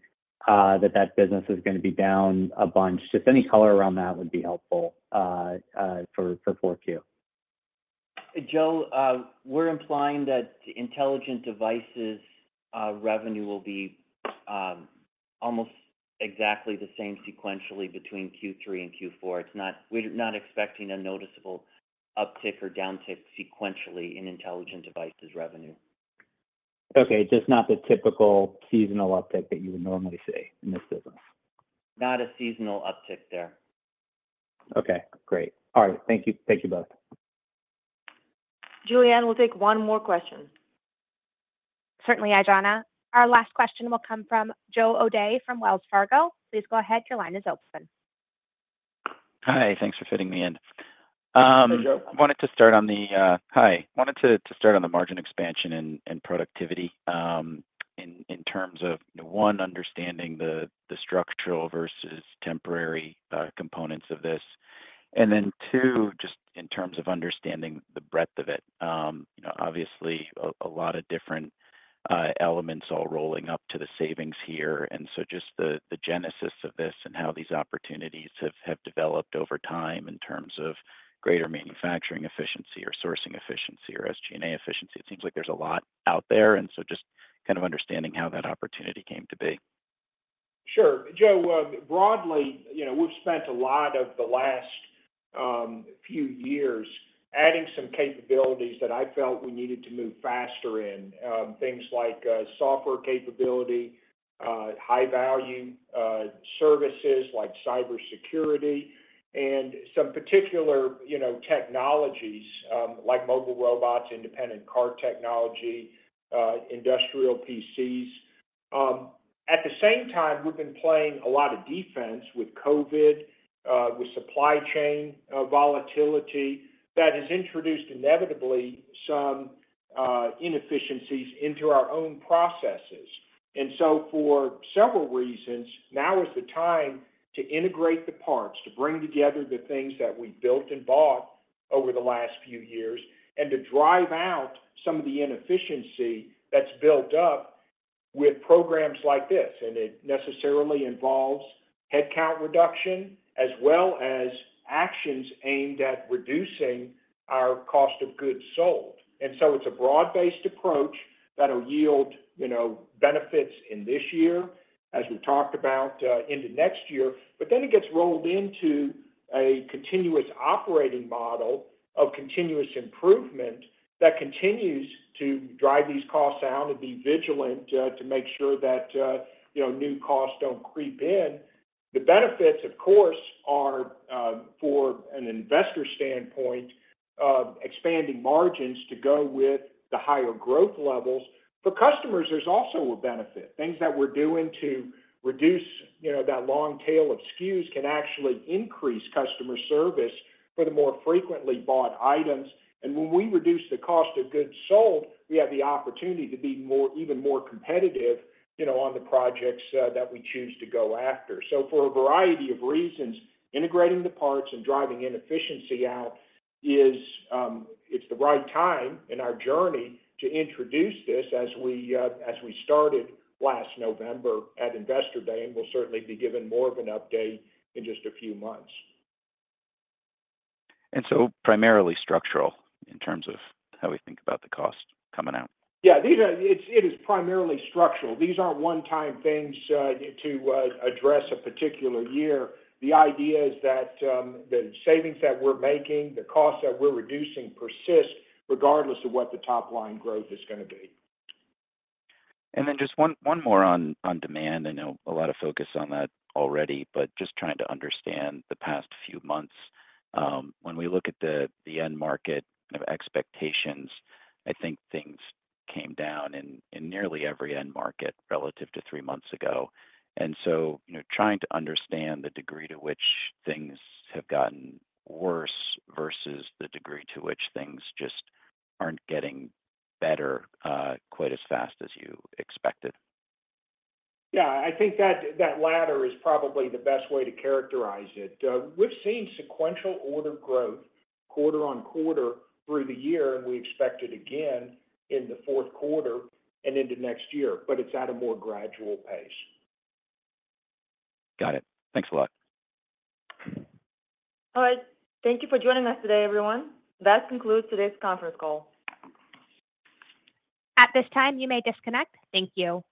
that that business is going to be down a bunch. Just any color around that would be helpful for 4Q. Joe, we're implying that Intelligent Devices revenue will be almost exactly the same sequentially between Q3 and Q4. We're not expecting a noticeable uptick or downtick sequentially in Intelligent Devices revenue. Okay. Just not the typical seasonal uptick that you would normally see in this business. Not a seasonal uptick there. Okay. Great. All right. Thank you. Thank you both. Julianne, we'll take one more question. Certainly, Aijana. Our last question will come from Joe O'Dea from Wells Fargo. Please go ahead. Your line is open. Hi. Thanks for fitting me in. I wanted to start on the hi. I wanted to start on the margin expansion and productivity in terms of, one, understanding the structural versus temporary components of this. And then, two, just in terms of understanding the breadth of it. Obviously, a lot of different elements all rolling up to the savings here. And so just the genesis of this and how these opportunities have developed over time in terms of greater manufacturing efficiency or sourcing efficiency or SG&A efficiency. It seems like there's a lot out there. And so just kind of understanding how that opportunity came to be. Sure. Joe, broadly, we've spent a lot of the last few years adding some capabilities that I felt we needed to move faster in, things like software capability, high-value services like cybersecurity, and some particular technologies like mobile robots, Independent Cart Technology, industrial PCs. At the same time, we've been playing a lot of defense with COVID, with supply chain volatility that has introduced inevitably some inefficiencies into our own processes. And so for several reasons, now is the time to integrate the parts, to bring together the things that we've built and bought over the last few years, and to drive out some of the inefficiency that's built up with programs like this. And it necessarily involves headcount reduction as well as actions aimed at reducing our cost of goods sold. And so it's a broad-based approach that'll yield benefits in this year, as we talked about, into next year. But then it gets rolled into a continuous operating model of continuous improvement that continues to drive these costs down and be vigilant to make sure that new costs don't creep in. The benefits, of course, are for an investor standpoint, expanding margins to go with the higher growth levels. For customers, there's also a benefit. Things that we're doing to reduce that long tail of SKUs can actually increase customer service for the more frequently bought items. And when we reduce the cost of goods sold, we have the opportunity to be even more competitive on the projects that we choose to go after. So for a variety of reasons, integrating the parts and driving inefficiency out, it's the right time in our journey to introduce this as we started last November at Investor Day, and we'll certainly be given more of an update in just a few months. And so primarily structural in terms of how we think about the cost coming out. Yeah. It is primarily structural. These aren't one-time things to address a particular year. The idea is that the savings that we're making, the costs that we're reducing persist regardless of what the top-line growth is going to be. And then just one more on demand. I know a lot of focus on that already, but just trying to understand the past few months. When we look at the end market kind of expectations, I think things came down in nearly every end market relative to three months ago. And so trying to understand the degree to which things have gotten worse versus the degree to which things just aren't getting better quite as fast as you expected. Yeah. I think that latter is probably the best way to characterize it. We've seen sequential order growth quarter-over-quarter through the year, and we expect it again in the fourth quarter and into next year, but it's at a more gradual pace. Got it. Thanks a lot. All right. Thank you for joining us today, everyone. That concludes today's conference call. At this time, you may disconnect. Thank you.